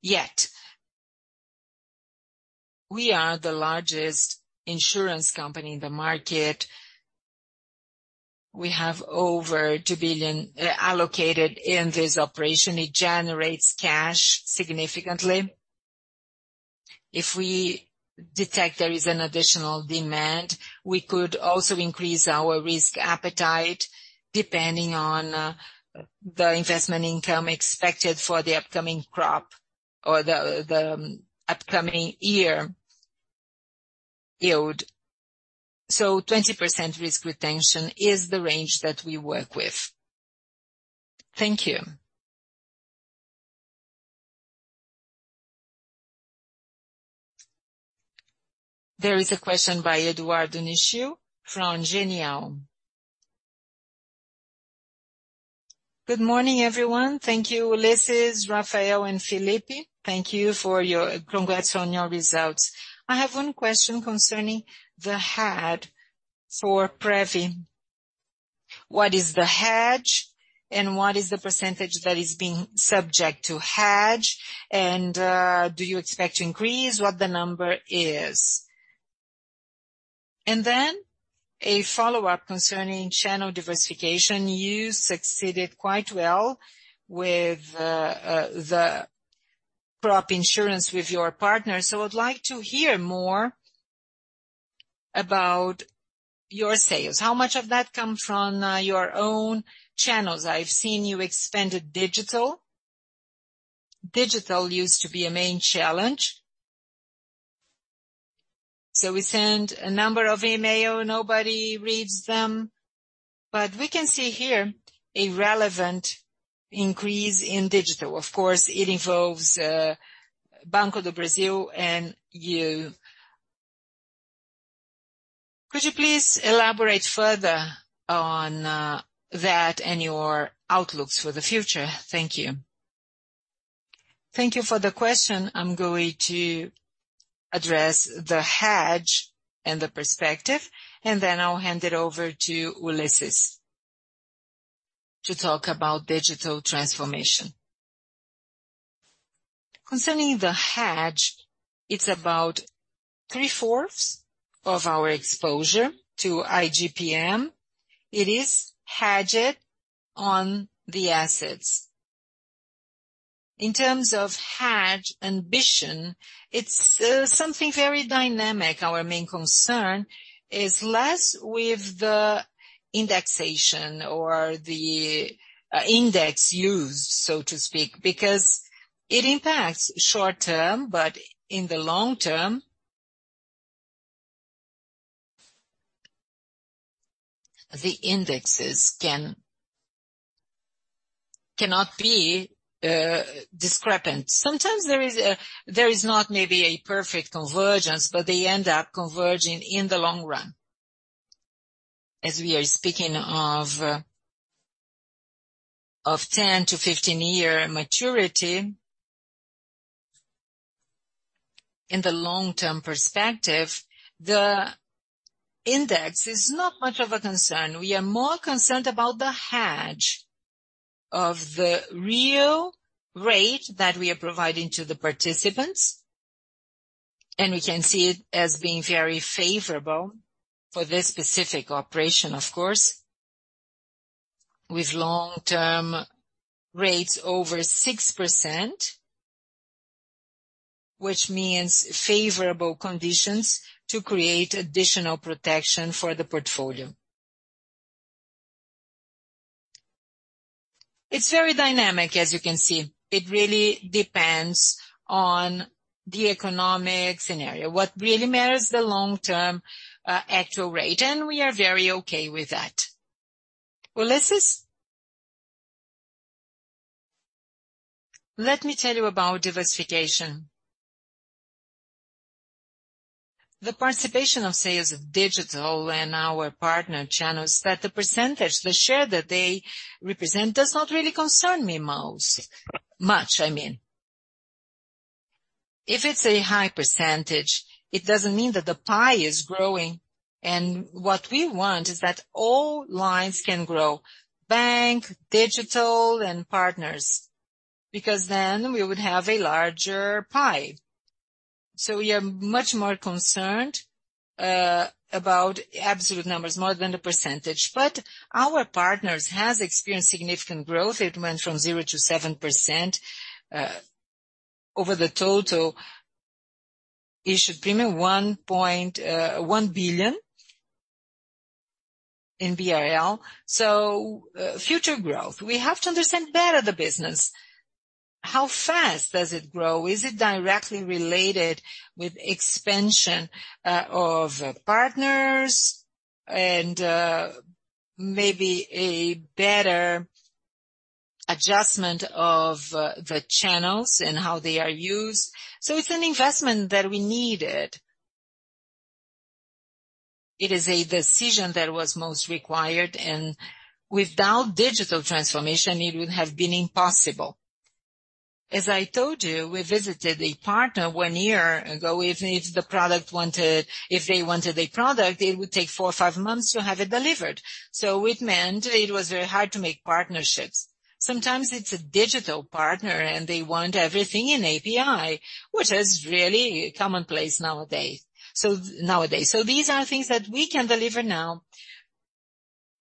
Yet, we are the largest insurance company in the market. We have over 2 billion allocated in this operation. It generates cash significantly. If we detect there is an additional demand, we could also increase our risk appetite depending on the investment income expected for the upcoming crop or the upcoming year yield. 20% risk retention is the range that we work with. Thank you. There is a question by Eduardo Nishio from Genial. Good morning, everyone. Thank you, Ullisses, Rafael, and Felipe. Congrats on your results. I have one question concerning the hedge for Previ. What is the hedge and what is the percentage that is being subject to hedge? Do you expect to increase what the number is? Then a follow-up concerning channel diversification. You succeeded quite well with the crop insurance with your partner. I'd like to hear more about your sales. How much of that comes from your own channels? I've seen you expanded digital. Digital used to be a main challenge. We send a number of email, nobody reads them. We can see here a relevant increase in digital. Of course, it involves Banco do Brasil and you. Could you please elaborate further on that and your outlooks for the future? Thank you. Thank you for the question. I'm going to address the hedge and the perspective, then I'll hand it over to Ullisses to talk about digital transformation. Concerning the hedge, it's about three-fourths of our exposure to IGPM. It is hedged on the assets. In terms of hedge ambition, it's something very dynamic. Our main concern is less with the indexation or the index used, so to speak, because it impacts short-term, but in the long term, the indexes cannot be discrepant. Sometimes there is not maybe a perfect convergence, but they end up converging in the long run. As we are speaking of 10-15-year maturity, in the long-term perspective, the index is not much of a concern. We are more concerned about the hedge of the real rate that we are providing to the participants. We can see it as being very favorable for this specific operation, of course, with long-term rates over 6%, which means favorable conditions to create additional protection for the portfolio. It's very dynamic, as you can see. It really depends on the economic scenario. What really matters, the long-term actual rate. We are very okay with that. Ullisses? Let me tell you about diversification. The participation of sales of digital and our partner channels, that the percentage, the share that they represent does not really concern me much, I mean. If it's a high percentage, it doesn't mean that the pie is growing. What we want is that all lines can grow: bank, digital, and partners, because then we would have a larger pie. We are much more concerned about absolute numbers more than the percentage. Our partners has experienced significant growth. It went from 0%-7% over the total issued premium, 1.1 billion BRL. Future growth. We have to understand better the business. How fast does it grow? Is it directly related with expansion of partners and maybe a better adjustment of the channels and how they are used? It's an investment that we needed. It is a decision that was most required, and without digital transformation, it would have been impossible. As I told you, we visited a partner one year ago. If they wanted a product, it would take four or five months to have it delivered. It meant it was very hard to make partnerships. Sometimes it's a digital partner, they want everything in API, which is really commonplace nowadays. These are things that we can deliver now.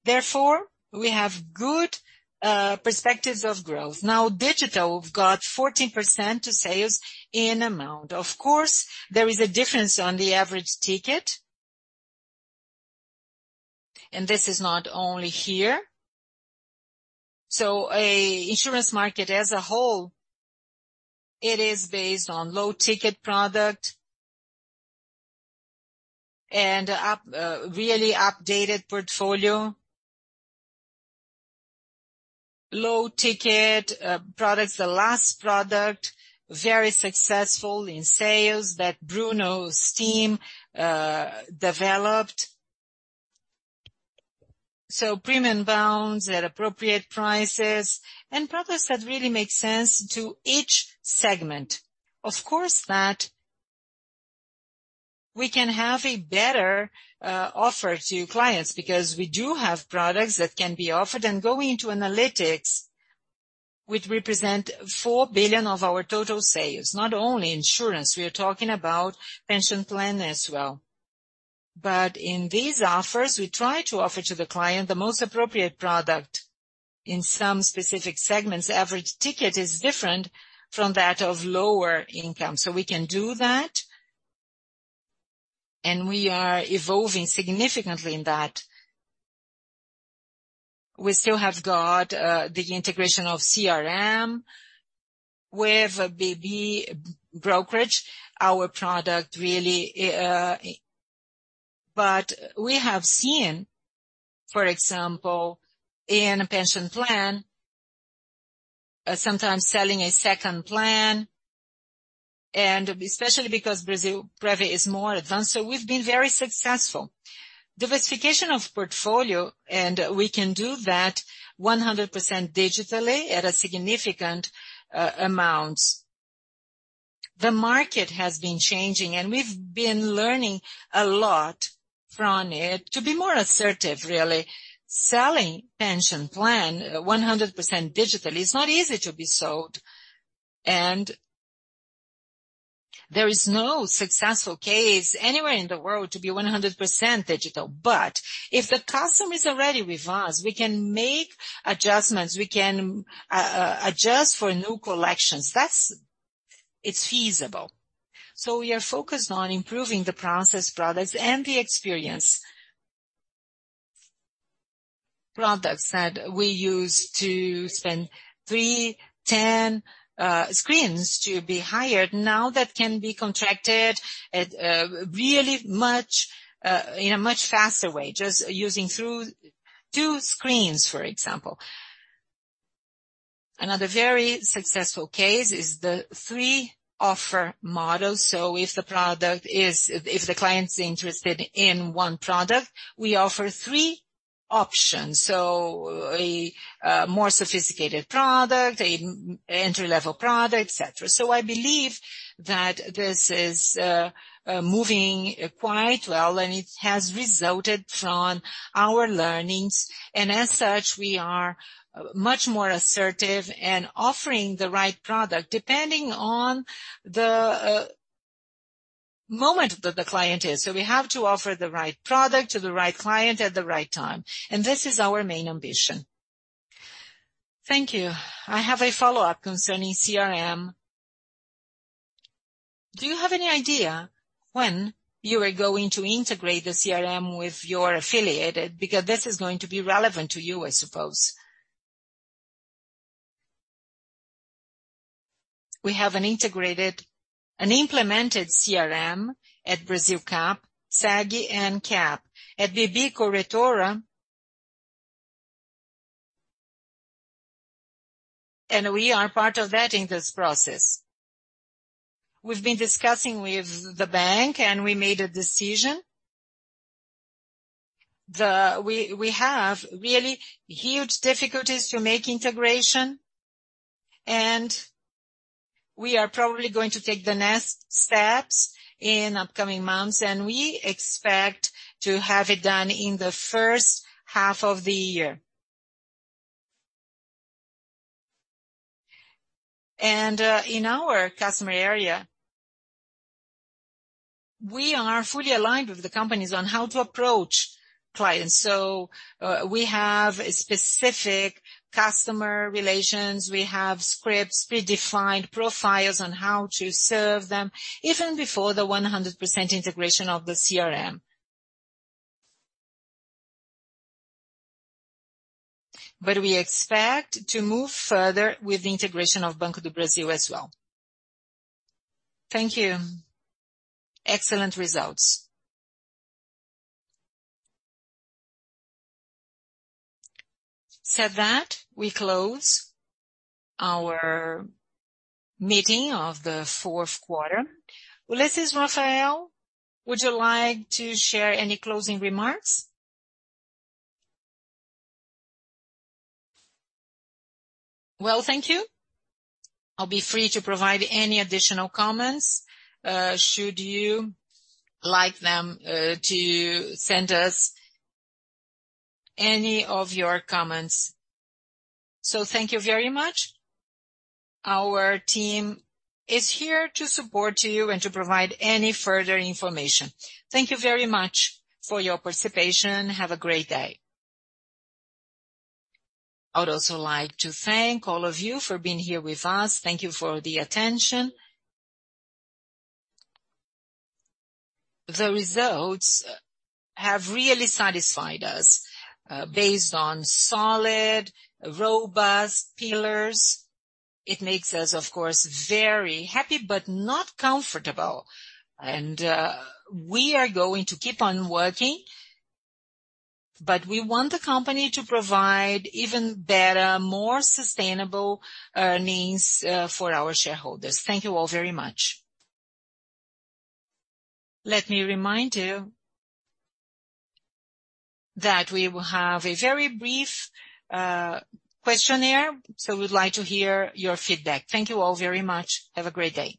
Therefore, we have good perspectives of growth. Digital, we've got 14% to sales in amount. Of course, there is a difference on the average ticket, and this is not only here. A insurance market as a whole, it is based on low-ticket product and up, really updated portfolio. Low ticket products. The last product, very successful in sales that Bruno's team developed. Premium bonds at appropriate prices and products that really make sense to each segment. Of course, that we can have a better offer to clients because we do have products that can be offered. Going into analytics, which represent 4 billion of our total sales, not only insurance, we are talking about pension plan as well. In these offers, we try to offer to the client the most appropriate product. In some specific segments, average ticket is different from that of lower income. We can do that, and we are evolving significantly in that. We still have got the integration of CRM with BB Corretora, our product really. We have seen, for example, in a pension plan, sometimes selling a second plan, and especially because Brasilprev is more advanced. We've been very successful. Diversification of portfolio, we can do that 100% digitally at a significant amount. The market has been changing, we've been learning a lot from it to be more assertive, really. Selling pension plan 100% digitally, it's not easy to be sold, there is no successful case anywhere in the world to be 100% digital. If the customer is already with us, we can make adjustments. We can adjust for new collections. That's. It's feasible. We are focused on improving the process, products, and the experience. Products that we use to spend three, 10 screens to be hired, now that can be contracted at really much in a much faster way, just using through two screens, for example. Another very successful case is the three offer models. If the client's interested in one product, we offer three options. A more sophisticated product, an entry-level product, et cetera. I believe that this is moving quite well, and it has resulted from our learnings. As such, we are much more assertive in offering the right product, depending on the moment that the client is. We have to offer the right product to the right client at the right time, and this is our main ambition. Thank you. I have a follow-up concerning CRM. Do you have any idea when you are going to integrate the CRM with your affiliated? Because this is going to be relevant to you, I suppose. We have an implemented CRM at Brasilcap, Brasilseg and cap. At BB Corretora. We are part of that in this process. We've been discussing with the bank, and we made a decision. We have really huge difficulties to make integration. We are probably going to take the next steps in upcoming months, and we expect to have it done in the first half of the year. In our customer area, we are fully aligned with the companies on how to approach clients. We have specific customer relations. We have scripts, predefined profiles on how to serve them, even before the 100% integration of the CRM. We expect to move further with the integration of Banco do Brasil as well. Thank you. Excellent results. Said that, we close our meeting of the fourth quarter. Ullisses, Rafael, would you like to share any closing remarks? Well, thank you. I'll be free to provide any additional comments, should you like them, to send us any of your comments. Thank you very much. Our team is here to support you and to provide any further information. Thank you very much for your participation. Have a great day. I would also like to thank all of you for being here with us. Thank you for the attention. The results have really satisfied us, based on solid, robust pillars. It makes us, of course, very happy, but not comfortable. We are going to keep on working, but we want the company to provide even better, more sustainable needs for our shareholders. Thank you all very much. Let me remind you that we will have a very brief questionnaire. We'd like to hear your feedback. Thank you all very much. Have a great day.